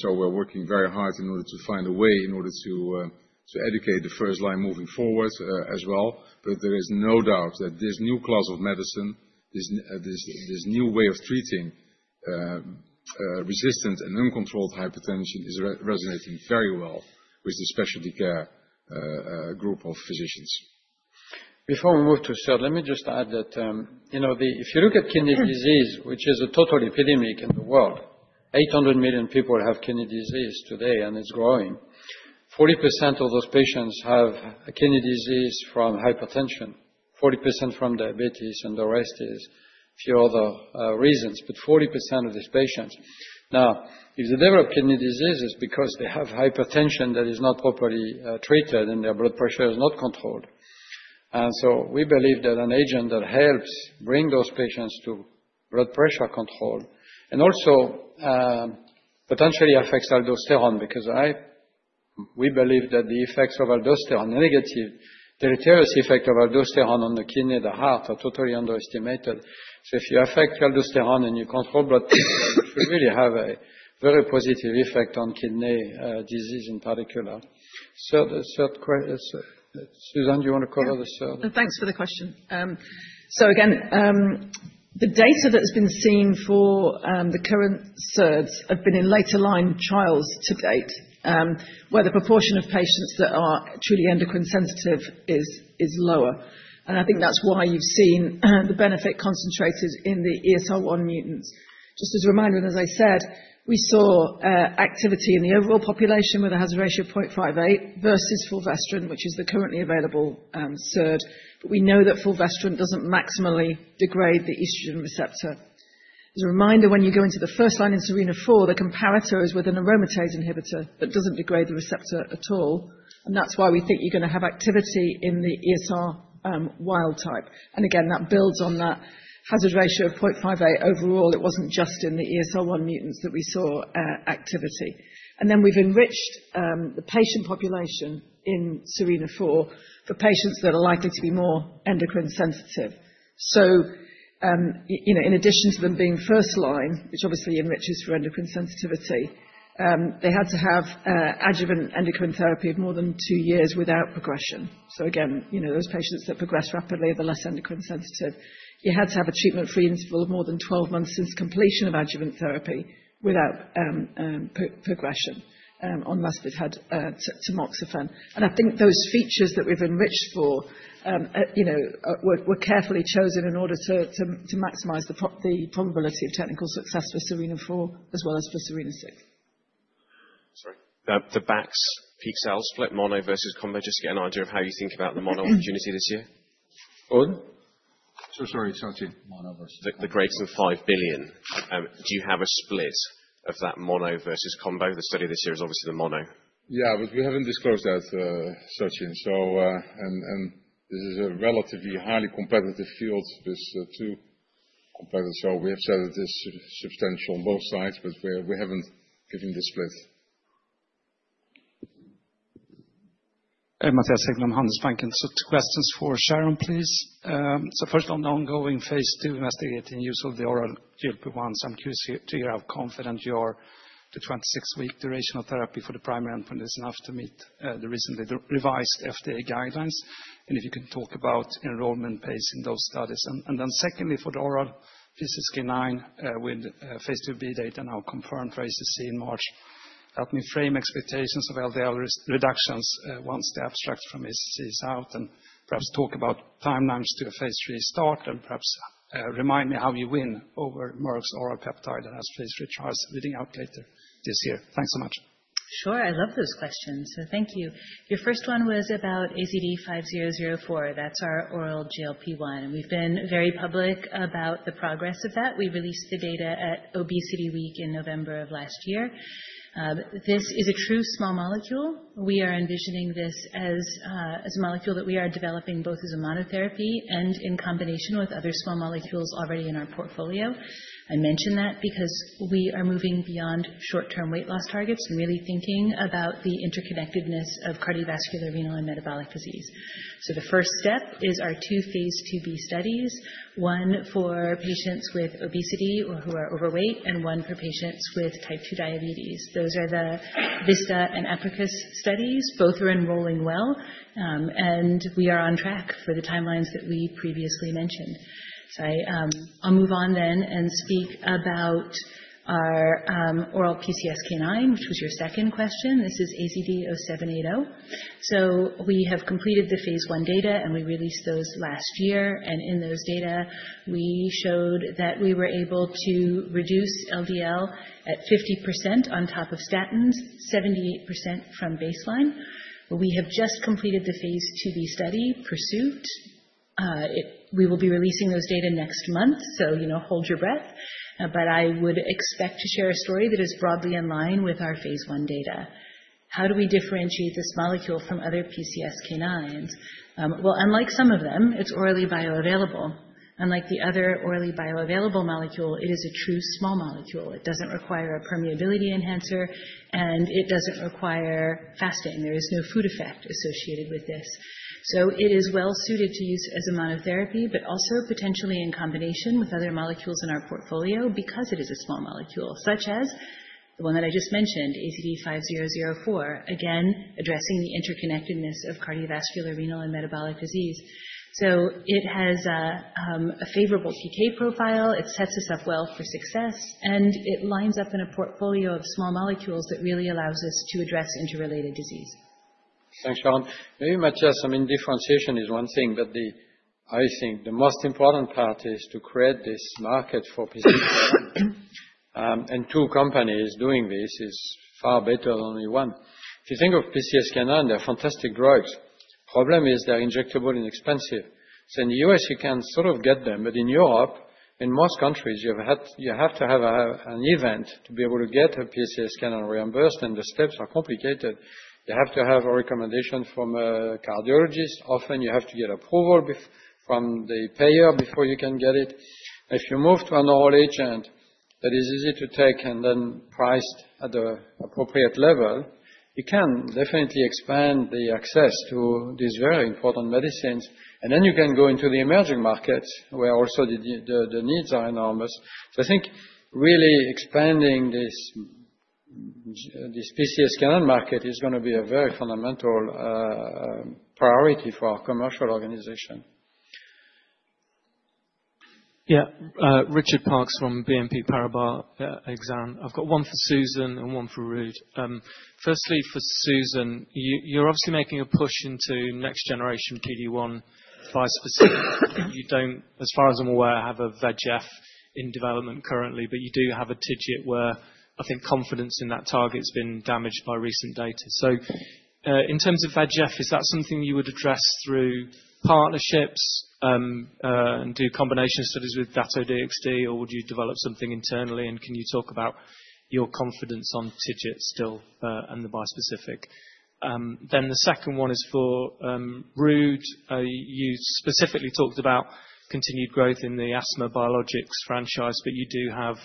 So we're working very hard in order to find a way in order to educate the first line moving forward as well. But there is no doubt that this new class of medicine, this new way of treating resistant and uncontrolled hypertension is resonating very well with the specialty care group of physicians. Before we move to sir, let me just add that if you look at kidney disease, which is a total epidemic in the world, 800 million people have kidney disease today, and it's growing. 40% of those patients have kidney disease from hypertension, 40% from diabetes, and the rest is a few other reasons. But 40% of these patients, now, if they develop kidney disease, it's because they have hypertension that is not properly treated, and their blood pressure is not controlled. And so we believe that an agent that helps bring those patients to blood pressure control and also potentially affects aldosterone because we believe that the effects of aldosterone, the negative deleterious effect of aldosterone on the kidney and the heart are totally underestimated. So if you affect aldosterone and you control blood pressure, it should really have a very positive effect on kidney disease in particular. Sir, Susan, do you want to cover the third? Thanks for the question. So again, the data that has been seen for the current SERDs have been in later line trials to date, where the proportion of patients that are truly endocrine sensitive is lower. I think that's why you've seen the benefit concentrated in the ESR1 mutants. Just as a reminder, and as I said, we saw activity in the overall population where the hazard ratio is 0.58 versus fulvestrant, which is the currently available SERD. We know that fulvestrant doesn't maximally degrade the estrogen receptor. As a reminder, when you go into the first line in SERENA-4, the comparator is with an aromatase inhibitor that doesn't degrade the receptor at all. That's why we think you're going to have activity in the ESR wild type. Again, that builds on that hazard ratio of 0.58 overall. It wasn't just in the ESR1 mutants that we saw activity, and then we've enriched the patient population in Serena 4 for patients that are likely to be more endocrine sensitive. In addition to them being first line, which obviously enriches for endocrine sensitivity, they had to have adjuvant endocrine therapy of more than two years without progression. Again, those patients that progress rapidly are the less endocrine sensitive. You had to have a treatment-free interval of more than 12 months since completion of adjuvant therapy without progression unless they've had tamoxifen. I think those features that we've enriched for were carefully chosen in order to maximize the probability of technical success for Serena 4 as well as for Serena 6. Sorry. The Bax peak sales split, mono versus combo, just to get an idea of how you think about the mono opportunity this year? One. So sorry, searching. The greater than $5 billion, do you have a split of that mono versus combo? The study this year is obviously the mono. Yeah, but we haven't disclosed that, Sachin. And this is a relatively highly competitive field with two competitors. So we have said it is substantial on both sides, but we haven't given the split. Mattias Haggblom, Handelsbanken. Two questions for Sharon, please. So first, on the ongoing phase 2 investigating use of the oral GLP-1s, I'm curious to hear how confident you are the 26-week duration of therapy for the primary endpoint is enough to meet the recently revised FDA guidelines. And if you can talk about enrollment pace in those studies. And then secondly, for the oral PCSK9 with phase 2b data now confirmed for ACC in March, help me frame expectations of LDL reductions once the abstract from ACC is out and perhaps talk about timelines to a phase 3 start and perhaps remind me how you win over Merck's oral peptide that has phase 3 trials leading out later this year. Thanks so much. Sure, I love those questions. So thank you. Your first one was about AZD5004. That's our oral GLP-1. And we've been very public about the progress of that. We released the data at Obesity Week in November of last year. This is a true small molecule. We are envisioning this as a molecule that we are developing both as a monotherapy and in combination with other small molecules already in our portfolio. I mention that because we are moving beyond short-term weight loss targets and really thinking about the interconnectedness of cardiovascular, renal, and metabolic disease. So the first step is our two phase 2b studies, one for patients with obesity or who are overweight and one for patients with type 2 diabetes. Those are the VISTA and EPIC studies. Both are enrolling well, and we are on track for the timelines that we previously mentioned. I'll move on then and speak about our oral PCSK9, which was your second question. This is AZD0780. We have completed the phase one data, and we released those last year. In those data, we showed that we were able to reduce LDL at 50% on top of statins, 78% from baseline. We have just completed the phase two B study, Pursuit. We will be releasing those data next month, so hold your breath. I would expect to share a story that is broadly in line with our phase one data. How do we differentiate this molecule from other PCSK9s? Unlike some of them, it's orally bioavailable. Unlike the other orally bioavailable molecule, it is a true small molecule. It doesn't require a permeability enhancer, and it doesn't require fasting. There is no food effect associated with this. So it is well suited to use as a monotherapy, but also potentially in combination with other molecules in our portfolio because it is a small molecule, such as the one that I just mentioned, AZD5004, again, addressing the interconnectedness of cardiovascular, renal, and metabolic disease. So it has a favorable PK profile. It sets us up well for success, and it lines up in a portfolio of small molecules that really allows us to address interrelated disease. Thanks, Sharon. Maybe Mattias, I mean, differentiation is one thing, but I think the most important part is to create this market for PCSK9. And two companies doing this is far better than only one. If you think of PCSK9, they're fantastic drugs. The problem is they're injectable and expensive. So in the U.S., you can sort of get them, but in Europe, in most countries, you have to have an event to be able to get a PCSK9 reimbursed, and the steps are complicated. You have to have a recommendation from a cardiologist. Often, you have to get approval from the payer before you can get it. If you move to an oral agent that is easy to take and then priced at the appropriate level, you can definitely expand the access to these very important medicines. Then you can go into the emerging markets where also the needs are enormous. I think really expanding this PCSK9 market is going to be a very fundamental priority for our commercial organization. Yeah, Richard Parkes from BNP Paribas Exane. I've got one for Susan and one for Ruud. Firstly, for Susan, you're obviously making a push into next-generation T-DXd bispecifics. You don't, as far as I'm aware, have a VEGF in development currently, but you do have a TIGIT where I think confidence in that target has been damaged by recent data. So in terms of VEGF, is that something you would address through partnerships and do combination studies with Dato-DXd, or would you develop something internally? And can you talk about your confidence on TIGIT still and the bispecific? Then the second one is for Ruud. You specifically talked about continued growth in the Asthma Biologics franchise, but you do have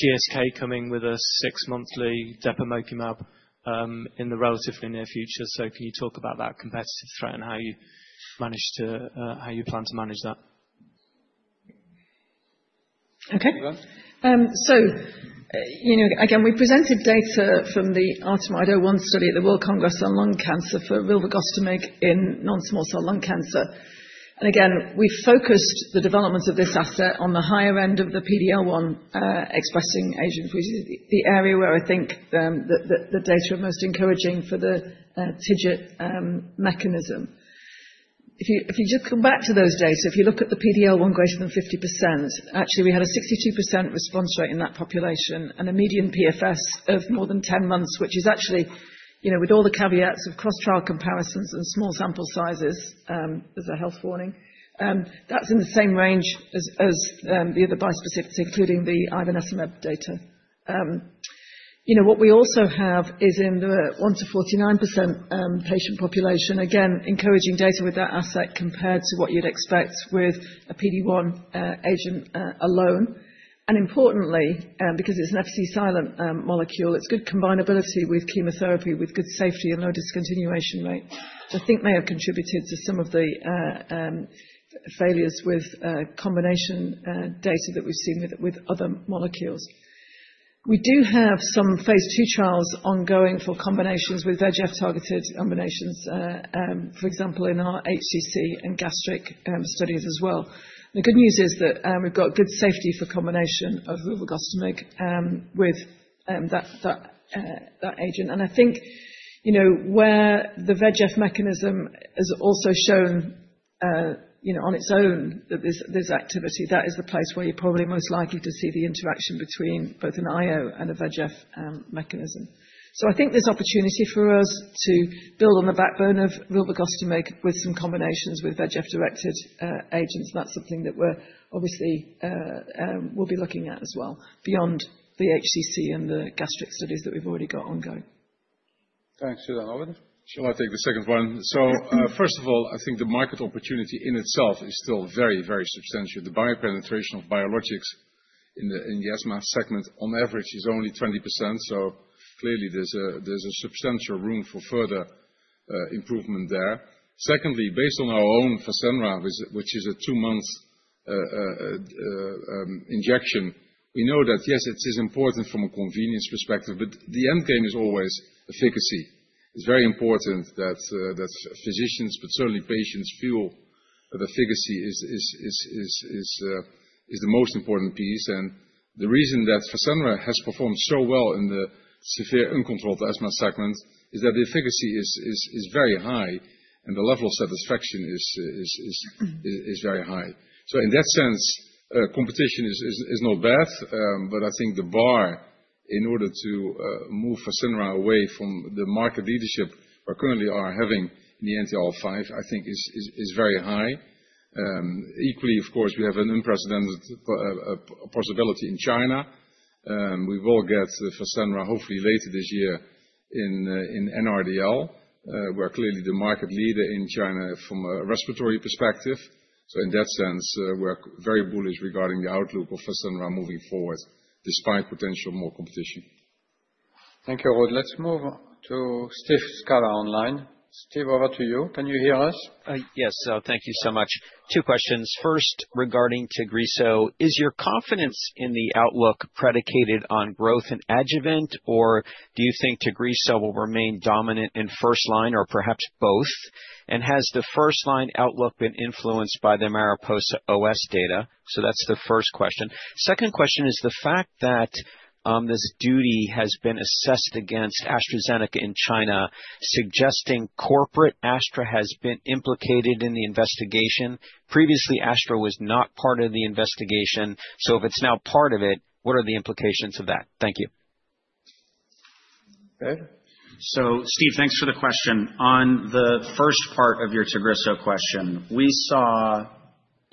GSK coming with a six-monthly Depemokimab in the relatively near future. So can you talk about that competitive threat and how you plan to manage that? Okay. So again, we presented data from the ARTEMIDE-01 study at the World Congress on Lung Cancer for rilvagostimig in non-small cell lung cancer. And again, we focused the development of this asset on the higher end of the PD-L1 expressing agent, which is the area where I think the data are most encouraging for the TIGIT mechanism. If you just come back to those data, if you look at the PD-L1 greater than 50%, actually, we had a 62% response rate in that population and a median PFS of more than 10 months, which is actually, with all the caveats of cross-trial comparisons and small sample sizes as a health warning. That's in the same range as the other bispecifics, including the ivonescimab data. What we also have is in the 1%-49% patient population, again, encouraging data with that asset compared to what you'd expect with a PD1 agent alone. And importantly, because it's an FC silent molecule, it's good combinability with chemotherapy with good safety and low discontinuation rate, which I think may have contributed to some of the failures with combination data that we've seen with other molecules. We do have some phase two trials ongoing for combinations with VEGF-targeted combinations, for example, in our HCC and gastric studies as well. The good news is that we've got good safety for combination of Rilvagostimig with that agent. And I think where the VEGF mechanism has also shown on its own that there's activity, that is the place where you're probably most likely to see the interaction between both an IO and a VEGF mechanism. So I think there's opportunity for us to build on the backbone of Rilvagostimig with some combinations with VEGF-directed agents. That's something that we're obviously will be looking at as well beyond the HCC and the gastric studies that we've already got ongoing. Thanks, Suzanne. Shall I take the second one? So first of all, I think the market opportunity in itself is still very, very substantial. The penetration of biologics in the asthma segment on average is only 20%. So clearly, there's a substantial room for further improvement there. Secondly, based on our own Fasenra, which is a two-month injection, we know that, yes, it is important from a convenience perspective, but the end game is always efficacy. It's very important that physicians, but certainly patients feel that efficacy is the most important piece. And the reason that Fasenra has performed so well in the severe uncontrolled asthma segment is that the efficacy is very high, and the level of satisfaction is very high. So in that sense, competition is not bad, but I think the bar in order to move Fasenra away from the market leadership we currently are having in the IL-5, I think, is very high. Equally, of course, we have an unprecedented possibility in China. We will get Fasenra, hopefully later this year, in NRDL, where clearly the market leader in China from a respiratory perspective. So in that sense, we're very bullish regarding the outlook of Fasenra moving forward, despite potential more competition. Thank you, Rod. Let's move to Steve Scala online. Steve, over to you. Can you hear us? Yes, thank you so much. Two questions. First, regarding Tagrisso, is your confidence in the outlook predicated on growth and adjuvant, or do you think Tagrisso will remain dominant in first line or perhaps both? and has the first line outlook been influenced by the Mariposa OS data? so that's the first question. Second question is the fact that this audit has been assessed against AstraZeneca in China, suggesting corporate Astra has been implicated in the investigation. Previously, Astra was not part of the investigation. so if it's now part of it, what are the implications of that? Thank you. Good. So Steve, thanks for the question. On the first part of your Tagrisso question, we saw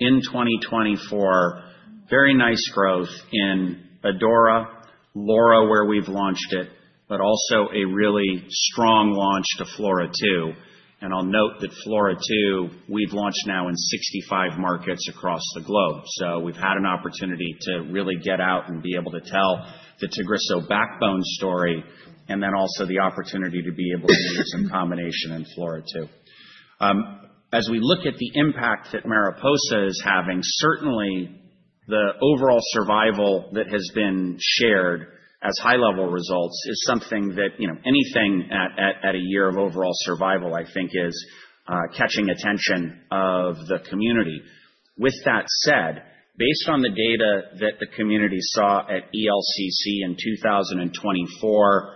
in 2024 very nice growth in ADAURA, LAURA where we've launched it, but also a really strong launch to FLAURA2. And I'll note that FLAURA2, we've launched now in 65 markets across the globe. So we've had an opportunity to really get out and be able to tell the Tagrisso backbone story, and then also the opportunity to be able to use some combination in FLAURA2. As we look at the impact that MARIPOSA is having, certainly the overall survival that has been shared as high-level results is something that anything at a year of overall survival, I think, is catching attention of the community. With that said, based on the data that the community saw at ELCC in 2024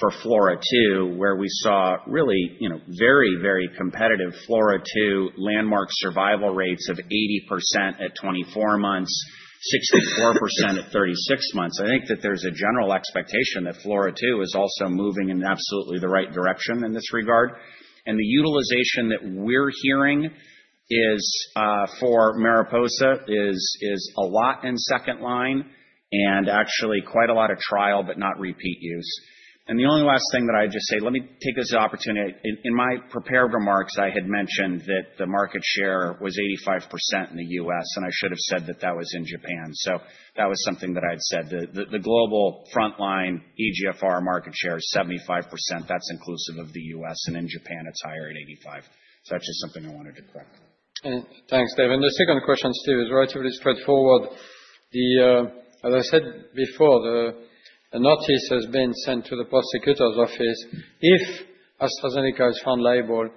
for FLAURA2, where we saw really very, very competitive FLAURA2 landmark survival rates of 80% at 24 months, 64% at 36 months, I think that there's a general expectation that FLAURA2 is also moving in absolutely the right direction in this regard. The utilization that we're hearing for MARIPOSA is a lot in second line and actually quite a lot of trial, but not repeat use. The only last thing that I'd just say, let me take this opportunity. In my prepared remarks, I had mentioned that the market share was 85% in the U.S., and I should have said that that was in Japan. So that was something that I had said. The global frontline EGFR market share is 75%. That's inclusive of the U.S. In Japan, it's higher at 85. That's just something I wanted to correct. Thanks, David. The second question, Steve, is relatively straightforward. As I said before, the notice has been sent to the prosecutor's office. If AstraZeneca is found liable,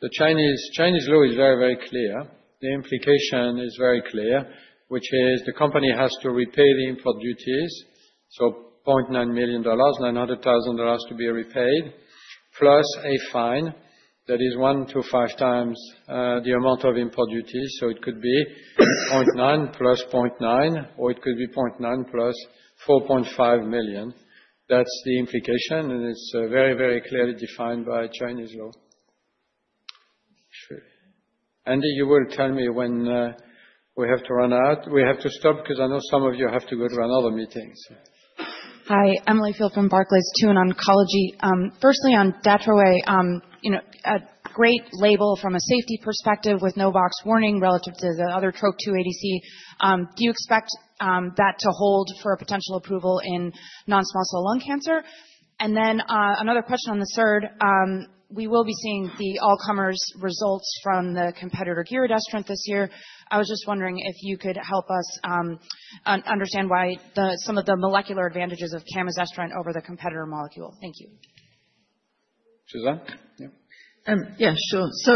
the Chinese law is very, very clear. The implication is very clear, which is the company has to repay the import duties. So $0.9 million, $900,000 to be repaid, plus a fine that is one to five times the amount of import duties. So it could be $0.9 million plus $0.9 million, or it could be $0.9 million plus $4.5 million. That's the implication, and it's very, very clearly defined by Chinese law. Andy, you will tell me when we have to run out. We have to stop because I know some of you have to go to another meeting. Hi, Emily Field from Barclays in oncology. Firstly, on Dato-DXd, a great label from a safety perspective with no box warning relative to the other TROP2 ADCs. Do you expect that to hold for a potential approval in non-small cell lung cancer? And then another question on the SERD. We will be seeing the all-comers results from the competitor Giredestrant this year. I was just wondering if you could help us understand why some of the molecular advantages of Camizestrant over the competitor molecule. Thank you. Suzanne? Yeah. Yeah, sure. So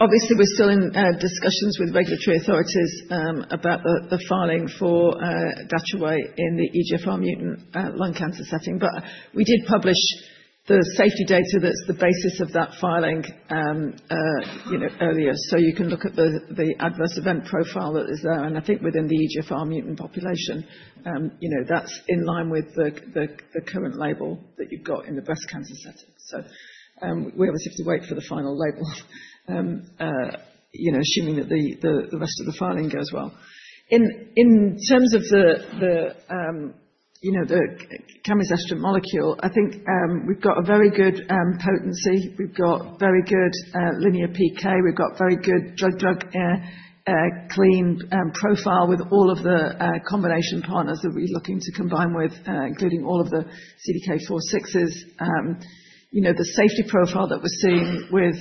obviously, we're still in discussions with regulatory authorities about the filing for Dato-DXd in the EGFR mutant lung cancer setting. But we did publish the safety data that's the basis of that filing earlier. So you can look at the adverse event profile that is there. And I think within the EGFR mutant population, that's in line with the current label that you've got in the breast cancer setting. So we obviously have to wait for the final label, assuming that the rest of the filing goes well. In terms of the Camizestrant molecule, I think we've got a very good potency. We've got very good linear PK. We've got very good drug-drug clean profile with all of the combination partners that we're looking to combine with, including all of the CDK4/6s. The safety profile that we're seeing with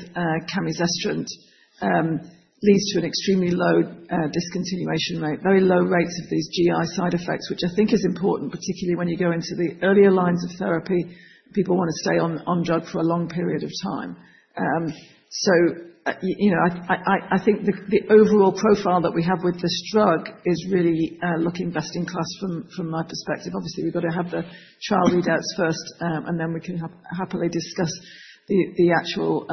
Camizestrant leads to an extremely low discontinuation rate, very low rates of these GI side effects, which I think is important, particularly when you go into the earlier lines of therapy. People want to stay on drug for a long period of time. So I think the overall profile that we have with this drug is really looking best in class from my perspective. Obviously, we've got to have the trial readouts first, and then we can happily discuss the actual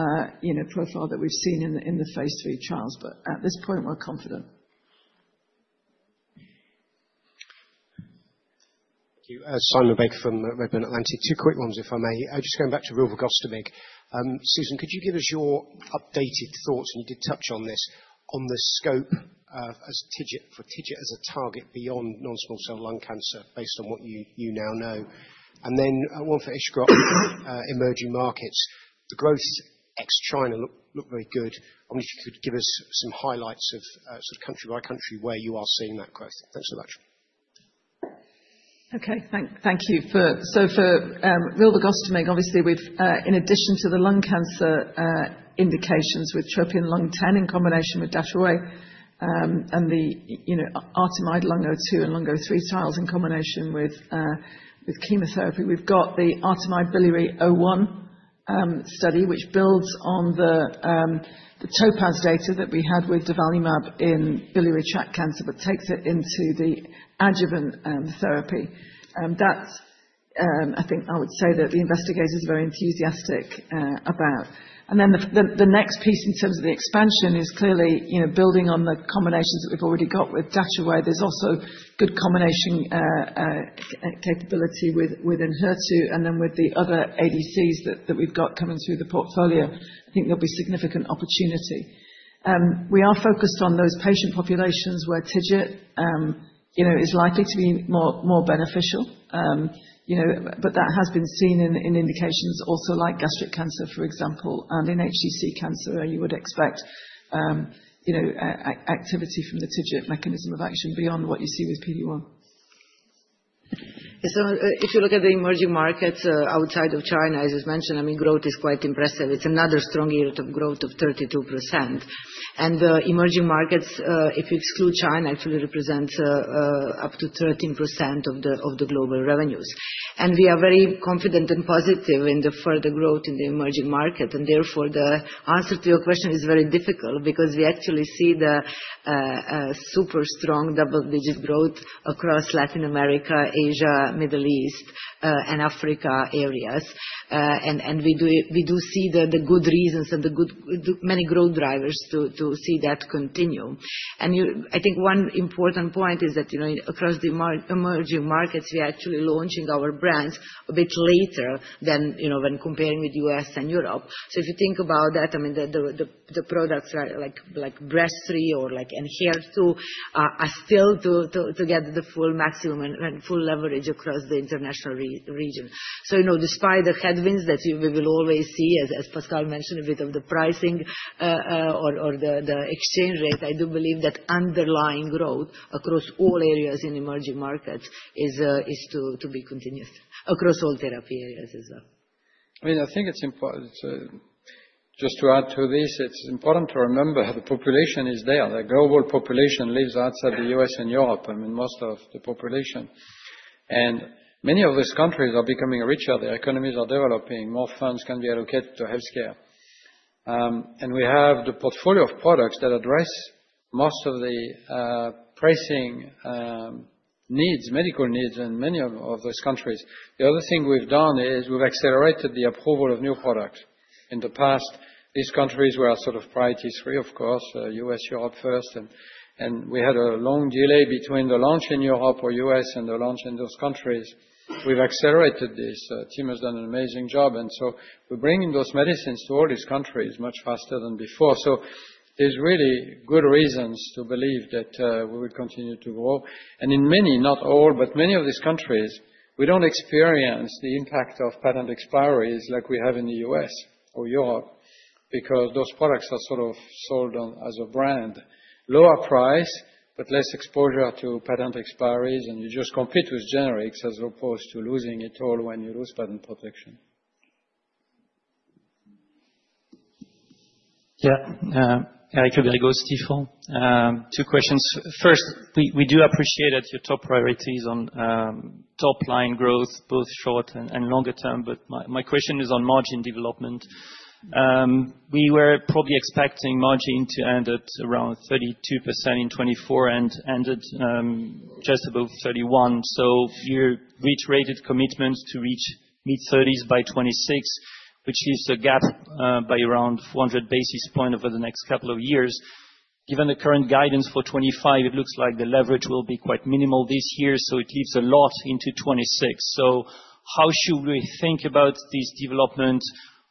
profile that we've seen in the phase 3 trials. But at this point, we're confident. Thank you. Simon Baker from Redburn Atlantic. Two quick ones, if I may. Just going back to Rilvagostimig. Susan, could you give us your updated thoughts? And you did touch on the scope for TIGIT as a target beyond non-small cell lung cancer, based on what you now know. And then one for Iskra, emerging markets. The growth ex-China looked very good. I wonder if you could give us some highlights of sort of country by country where you are seeing that growth. Thanks so much. Okay, thank you. So for Rilvagostimig, obviously, in addition to the lung cancer indications with TROPION-Lung 10 in combination with Dato-DXd and the ARTEMIDE-Lung 02 and Lung 03 trials in combination with chemotherapy, we've got the ARTEMIDE-Biliary01 study, which builds on the TOPAZ-1 data that we had with durvalumab in biliary tract cancer, but takes it into the adjuvant therapy. That's, I think I would say that the investigators are very enthusiastic about. And then the next piece in terms of the expansion is clearly building on the combinations that we've already got with Dato-DXd. There's also good combination capability within HER2 and then with the other ADCs that we've got coming through the portfolio. I think there'll be significant opportunity. We are focused on those patient populations where TIGIT is likely to be more beneficial, but that has been seen in indications also like gastric cancer, for example, and in HCC cancer, where you would expect activity from the TIGIT mechanism of action beyond what you see with PD-1. If you look at the emerging markets outside of China, as you've mentioned, I mean, growth is quite impressive. It's another strong year of growth of 32%. And the emerging markets, if you exclude China, actually represent up to 13% of the global revenues. And we are very confident and positive in the further growth in the emerging market. And therefore, the answer to your question is very difficult because we actually see the super strong double-digit growth across Latin America, Asia, Middle East, and Africa areas. And we do see the good reasons and the many growth drivers to see that continue. And I think one important point is that across the emerging markets, we are actually launching our brands a bit later than when comparing with the U.S. and Europe. So if you think about that, I mean, the products like Breztri or like Enhertu are still to get the full maximum and full leverage across the international region. So despite the headwinds that we will always see, as Pascal mentioned, a bit of the pricing or the exchange rate, I do believe that underlying growth across all areas in emerging markets is to be continuous across all therapy areas as well. I mean, I think it's important just to add to this. It's important to remember the population is there. The global population lives outside the U.S. and Europe, I mean, most of the population. And many of those countries are becoming richer. Their economies are developing. More funds can be allocated to healthcare. And we have the portfolio of products that address most of the pricing needs, medical needs in many of those countries. The other thing we've done is we've accelerated the approval of new products. In the past, these countries were sort of priority three, of course, U.S., Europe first. And we had a long delay between the launch in Europe or U.S. and the launch in those countries. We've accelerated this. Team has done an amazing job. And so we're bringing those medicines to all these countries much faster than before. So there's really good reasons to believe that we will continue to grow. And in many, not all, but many of these countries, we don't experience the impact of patent expiry like we have in the U.S. or Europe because those products are sort of sold as a brand, lower price, but less exposure to patent expiry. And you just compete with generics as opposed to losing it all when you lose patent protection. Yeah, Eric Rodriguez, Steve. Two questions. First, we do appreciate that your top priorities on top-line growth, both short and longer term, but my question is on margin development. We were probably expecting margin to end at around 32% in 2024 and ended just above 31%. So you reiterated commitment to reach mid-30s by 2026, which leaves a gap by around 400 basis points over the next couple of years. Given the current guidance for 2025, it looks like the leverage will be quite minimal this year. So it leaves a lot into 2026. So how should we think about this development?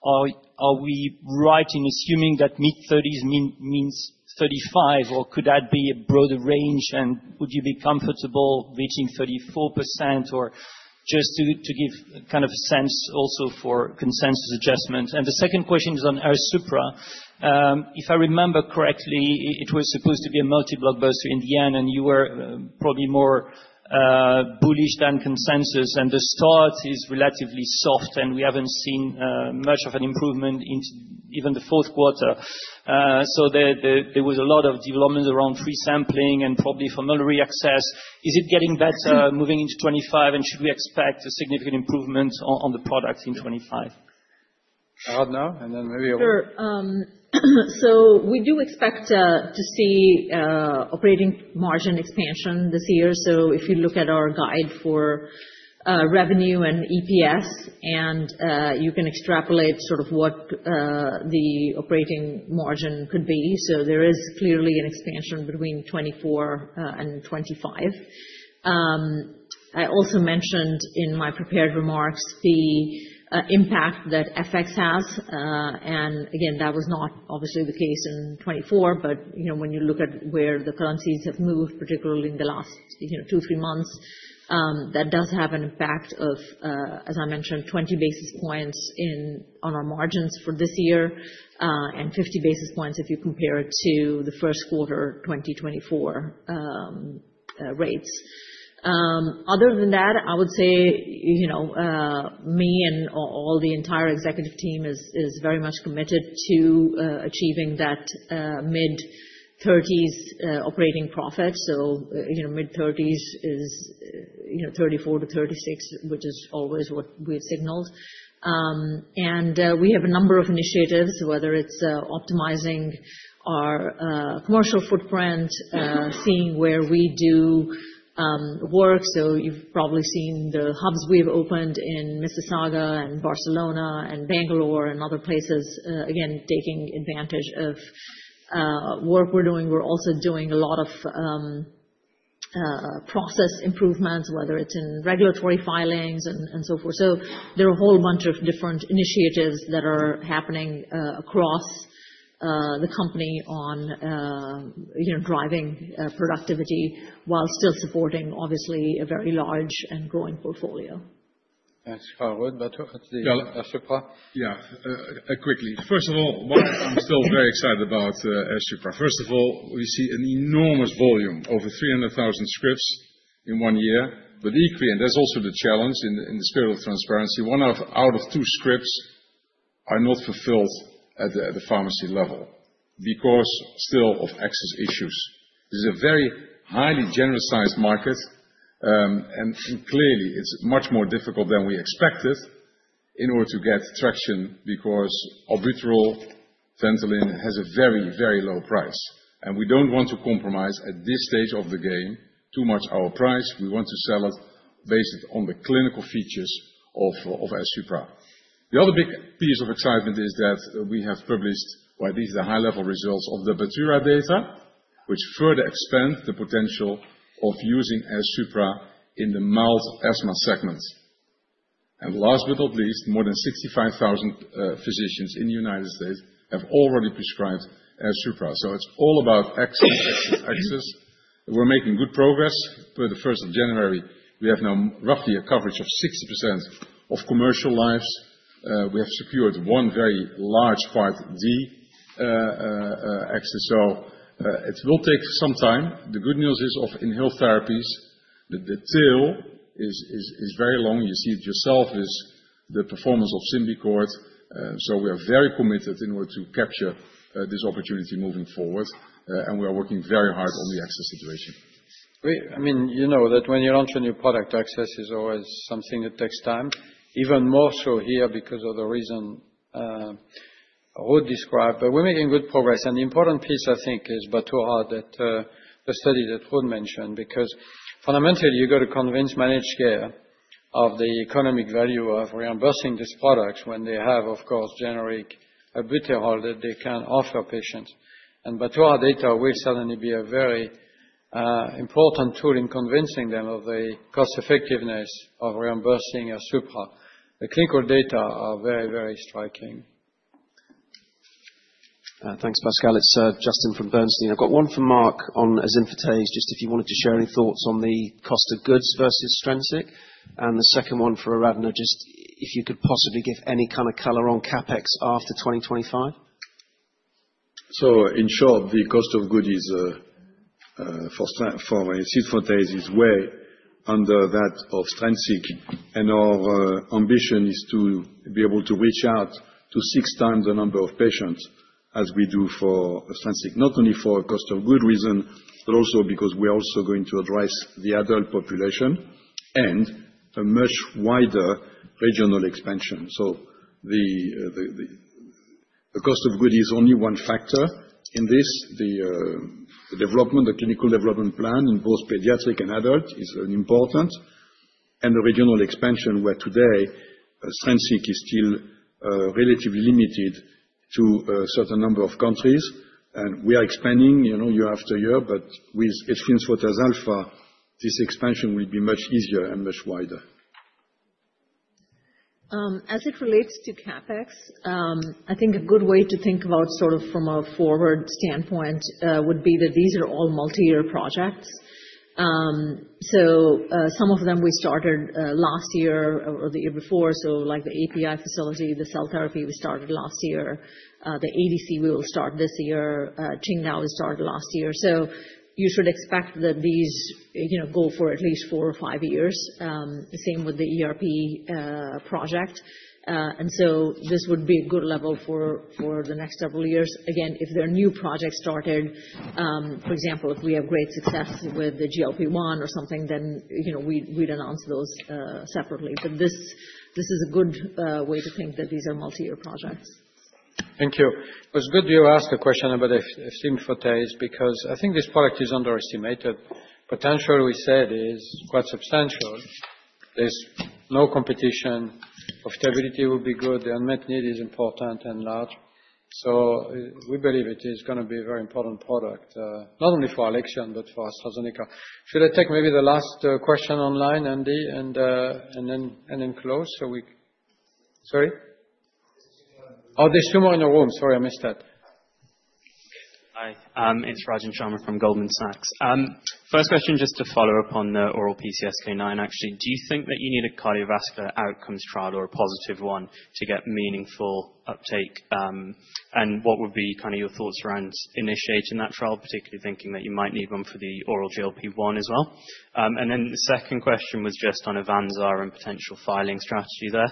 Are we right in assuming that mid-30s means 35, or could that be a broader range? And would you be comfortable reaching 34% or just to give kind of a sense also for consensus adjustment? And the second question is on Airsupra. If I remember correctly, it was supposed to be a multi-blockbuster in the end, and you were probably more bullish than consensus. And the start is relatively soft, and we haven't seen much of an improvement in even the fourth quarter. So there was a lot of development around free sampling and probably for formulary access. Is it getting better moving into 2025, and should we expect a significant improvement on the product in 2025? I don't know, and then maybe. Sure. We do expect to see operating margin expansion this year. If you look at our guide for revenue and EPS, you can extrapolate sort of what the operating margin could be. There is clearly an expansion between 2024 and 2025. I also mentioned in my prepared remarks the impact that FX has. And again, that was not obviously the case in 2024, but when you look at where the currencies have moved, particularly in the last two, three months, that does have an impact of, as I mentioned, 20 basis points on our margins for this year and 50 basis points if you compare it to the first quarter 2024 rates. Other than that, I would say me and all the entire executive team is very much committed to achieving that mid-30s operating profit. Mid-30s is 34 to 36, which is always what we've signaled. We have a number of initiatives, whether it's optimizing our commercial footprint, seeing where we do work. You've probably seen the hubs we've opened in Mississauga and Barcelona and Bangalore and other places, again, taking advantage of work we're doing. We're also doing a lot of process improvements, whether it's in regulatory filings and so forth. There are a whole bunch of different initiatives that are happening across the company on driving productivity while still supporting, obviously, a very large and growing portfolio. Thanks, Harold. Yeah, quickly. First of all, why I'm still very excited about Airsupra. First of all, we see an enormous volume, over 300,000 scripts in one year, but equally, and that's also the challenge in the spirit of transparency. One out of two scripts are not fulfilled at the pharmacy level because still of access issues. This is a very highly genericized market, and clearly, it's much more difficult than we expected in order to get traction because Albuterol Ventolin has a very, very low price. And we don't want to compromise at this stage of the game too much our price. We want to sell it based on the clinical features of Airsupra. The other big piece of excitement is that we have published, well, these are high-level results of the BATURA data, which further expand the potential of using Airsupra in the mild asthma segment. Last but not least, more than 65,000 physicians in the United States have already prescribed Airsupra. So it's all about access, access, access. We're making good progress. Per the 1st of January, we have now roughly a coverage of 60% of commercial lives. We have secured one very large Part D access. So it will take some time. The good news is of inhaled therapies, the tail is very long. You see it yourself with the performance of Symbicort. So we are very committed in order to capture this opportunity moving forward, and we are working very hard on the access situation. I mean, you know that when you launch a new product, access is always something that takes time, even more so here because of the reason Ruud described. But we're making good progress. And the important piece, I think, is BATURA, the study that Ruud mentioned, because fundamentally, you've got to convince managed care of the economic value of reimbursing these products when they have, of course, generic Albuterol that they can offer patients. And BATURA data will certainly be a very important tool in convincing them of the cost-effectiveness of reimbursing Airsupra. The clinical data are very, very striking. Thanks, Pascal. It's Justin from Bernstein. I've got one for Mark on asfotase alfa just if you wanted to share any thoughts on the cost of goods versus Strensiq. And the second one for Aradhana, just if you could possibly give any kind of color on CapEx after 2025. In short, the cost of goods for Airsupra is way under that of Strensiq. Our ambition is to be able to reach out to six times the number of patients as we do for Strensiq, not only for a cost of goods reason, but also because we're also going to address the adult population and a much wider regional expansion. The cost of goods is only one factor in this. The development, the clinical development plan in both pediatric and adult is important. The regional expansion where today Strensiq is still relatively limited to a certain number of countries. We are expanding year after year, but with Asfotase Alfa, this expansion will be much easier and much wider. As it relates to CapEx, I think a good way to think about sort of from a forward standpoint would be that these are all multi-year projects, so some of them we started last year or the year before, so like the API facility, the cell therapy, we started last year. The ADC, we will start this year. Qingdao we started last year, so you should expect that these go for at least four or five years. Same with the ERP project, and so this would be a good level for the next several years. Again, if there are new projects started, for example, if we have great success with the GLP-1 or something, then we'd announce those separately. But this is a good way to think that these are multi-year projects. Thank you. It was good you asked the question about the Asfotase because I think this product is underestimated. Potential we said is quite substantial. There's no competition. Profitability will be good. The unmet need is important and large. So we believe it is going to be a very important product, not only for Alexion but for AstraZeneca. Should I take maybe the last question online, Andy, and then close? Sorry? Oh, there's two more in the room. Sorry, I missed that. Hi. It's Rajan Sharma from Goldman Sachs. First question, just to follow up on the oral PCSK9, actually. Do you think that you need a cardiovascular outcomes trial or a positive one to get meaningful uptake? And what would be kind of your thoughts around initiating that trial, particularly thinking that you might need one for the oral GLP-1 as well? And then the second question was just on AVANZAR and potential filing strategy there.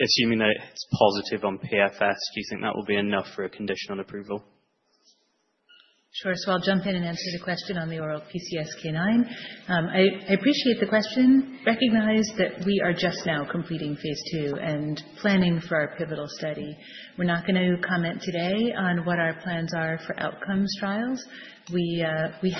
Assuming that it's positive on PFS, do you think that will be enough for a conditional approval? Sure, so I'll jump in and answer the question on the oral PCSK9. I appreciate the question. Recognize that we are just now completing phase two and planning for our pivotal study. We're not going to comment today on what our plans are for outcomes trials. We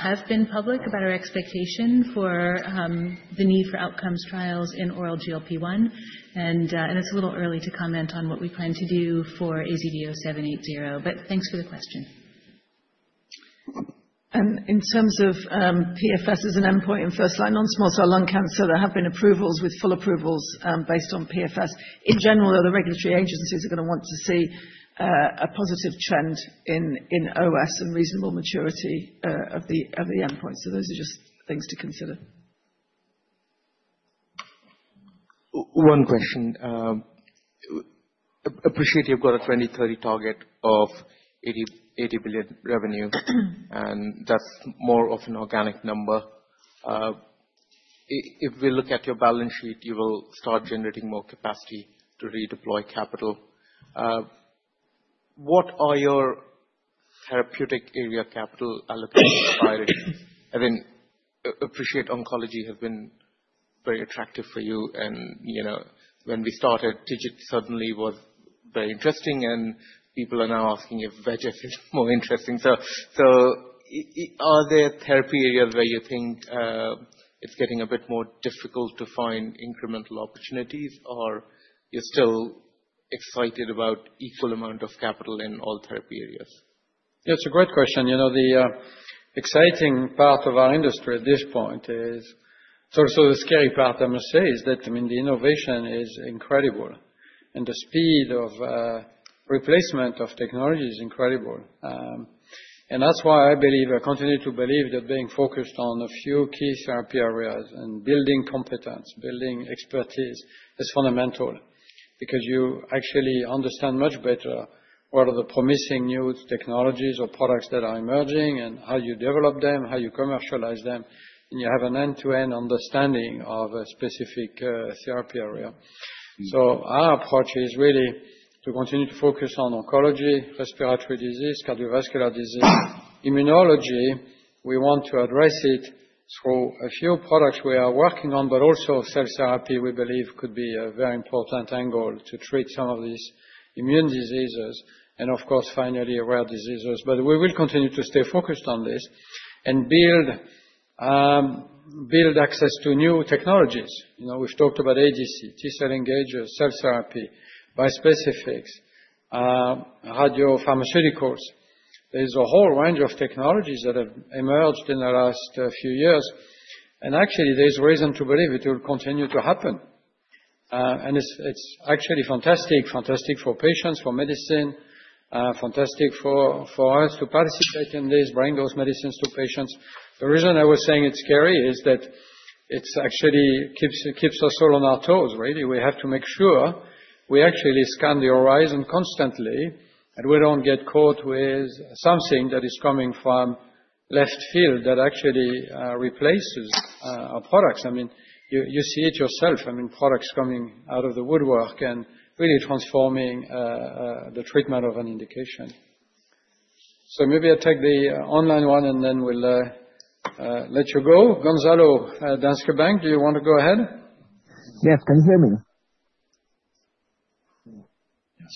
have been public about our expectation for the need for outcomes trials in oral GLP-1, and it's a little early to comment on what we plan to do for AZD0780, but thanks for the question. In terms of PFS as an endpoint in first-line non-small cell lung cancer, there have been approvals with full approvals based on PFS. In general, the regulatory agencies are going to want to see a positive trend in OS and reasonable maturity of the endpoint. So those are just things to consider. One question. I appreciate you've got a 2030 target of $80 billion revenue, and that's more of an organic number. If we look at your balance sheet, you will start generating more capacity to redeploy capital. What are your therapeutic area capital allocations? I appreciate oncology has been very attractive for you. And when we started, Imfinzi certainly was very interesting, and people are now asking if VEGF is more interesting. So are there therapy areas where you think it's getting a bit more difficult to find incremental opportunities, or you're still excited about equal amount of capital in all therapy areas? Yeah, it's a great question. You know, the exciting part of our industry at this point is, it's also the scary part, I must say, is that, I mean, the innovation is incredible. And the speed of replacement of technology is incredible. That's why I believe, I continue to believe that being focused on a few key therapy areas and building competence, building expertise is fundamental because you actually understand much better what are the promising new technologies or products that are emerging and how you develop them, how you commercialize them, and you have an end-to-end understanding of a specific therapy area. Our approach is really to continue to focus on oncology, respiratory disease, cardiovascular disease, immunology. We want to address it through a few products we are working on, but also cell therapy, we believe, could be a very important angle to treat some of these immune diseases and, of course, finally, rare diseases. But we will continue to stay focused on this and build access to new technologies. We've talked about ADC, T-cell engagers, cell therapy, bispecifics, radiopharmaceuticals. There's a whole range of technologies that have emerged in the last few years. And actually, there's reason to believe it will continue to happen. And it's actually fantastic, fantastic for patients, for medicine, fantastic for us to participate in this, bring those medicines to patients. The reason I was saying it's scary is that it actually keeps us all on our toes, really. We have to make sure we actually scan the horizon constantly and we don't get caught with something that is coming from left field that actually replaces our products. I mean, you see it yourself. I mean, products coming out of the woodwork and really transforming the treatment of an indication. So maybe I'll take the online one and then we'll let you go. Gonzalo, Danske Bank, do you want to go ahead? Yes, can you hear me?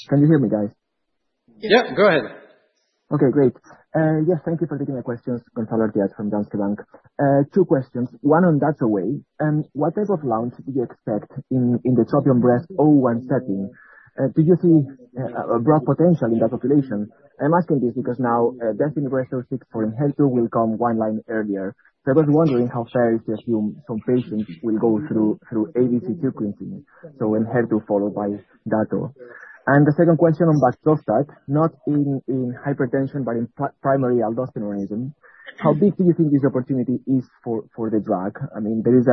Can you hear me, guys? Yep, go ahead. Okay, great. Yes, thank you for taking my questions, Gonzalo Artiach from Danske Bank. Two questions. One on TROPION-Breast01. What type of launch do you expect in the TROPION-Breast01 setting? Do you see a broad potential in that population? I'm asking this because now DESTINY-Breast06 for Enhertu will come online earlier. So I was wondering how fair is to assume some patients will go through ADCs sequentially? So Enhertu followed by Dato-DXd. And the second question on Baxdrostat, not in hypertension, but in primary aldosteronism. How big do you think this opportunity is for the drug? I mean, there is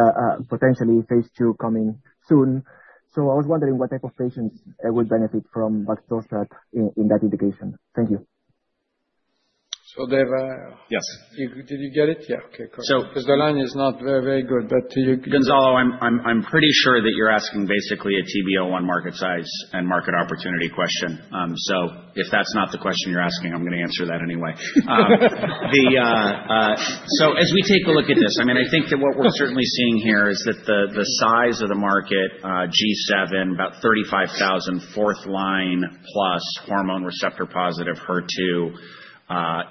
potentially phase 2 coming soon. So I was wondering what type of patients would benefit from Baxdrostat in that indication. Thank you. So did you get it? Yeah, okay, go ahead. Because the line is not very, very good, but you. Gonzalo, I'm pretty sure that you're asking basically a TB01 market size and market opportunity question. So if that's not the question you're asking, I'm going to answer that anyway. So as we take a look at this, I mean, I think that what we're certainly seeing here is that the size of the market, G7, about 35,000 fourth-line plus hormone receptor positive HER2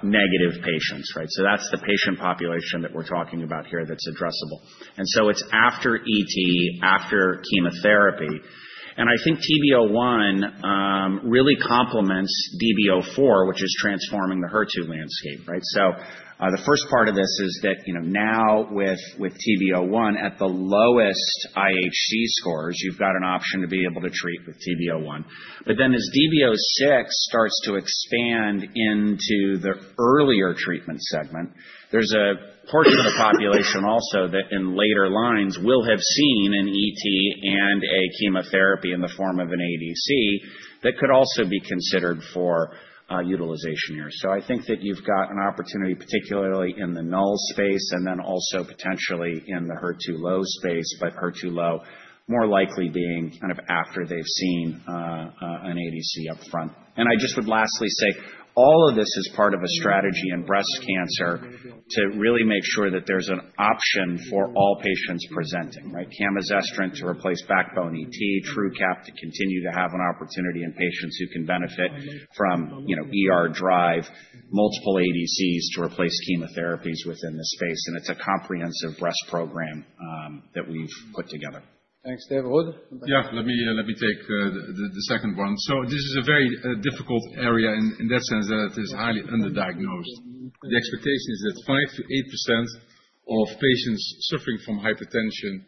negative patients, right? So that's the patient population that we're talking about here that's addressable. And so it's after ET, after chemotherapy. And I think TB01 really complements DB04, which is transforming the HER2 landscape, right? So the first part of this is that now with TB01, at the lowest IHC scores, you've got an option to be able to treat with TB01. But then as DB06 starts to expand into the earlier treatment segment, there's a portion of the population also that in later lines will have seen an ET and a chemotherapy in the form of an ADC that could also be considered for utilization here. So I think that you've got an opportunity, particularly in the null space, and then also potentially in the HER2 low space, but HER2 low more likely being kind of after they've seen an ADC upfront. And I just would lastly say all of this is part of a strategy in breast cancer to really make sure that there's an option for all patients presenting, right? Camizestrant to replace backbone ET, Truqap to continue to have an opportunity in patients who can benefit from driver, multiple ADCs to replace chemotherapies within the space. And it's a comprehensive breast program that we've put together. Thanks. David, Ruud? Yeah, let me take the second one. So this is a very difficult area in that sense that it is highly underdiagnosed. The expectation is that 5%-8% of patients suffering from hypertension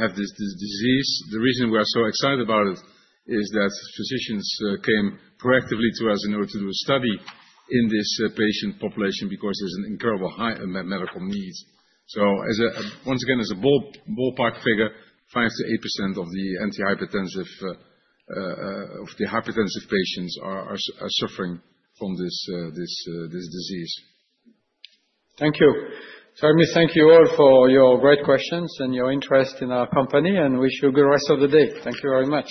have this disease. The reason we are so excited about it is that physicians came proactively to us in order to do a study in this patient population because there's an incredible medical need. So once again, as a ballpark figure, 5%-8% of the hypertensive patients are suffering from this disease. Thank you. So I thank you all for your great questions and your interest in our company, and wish you a good rest of the day. Thank you very much.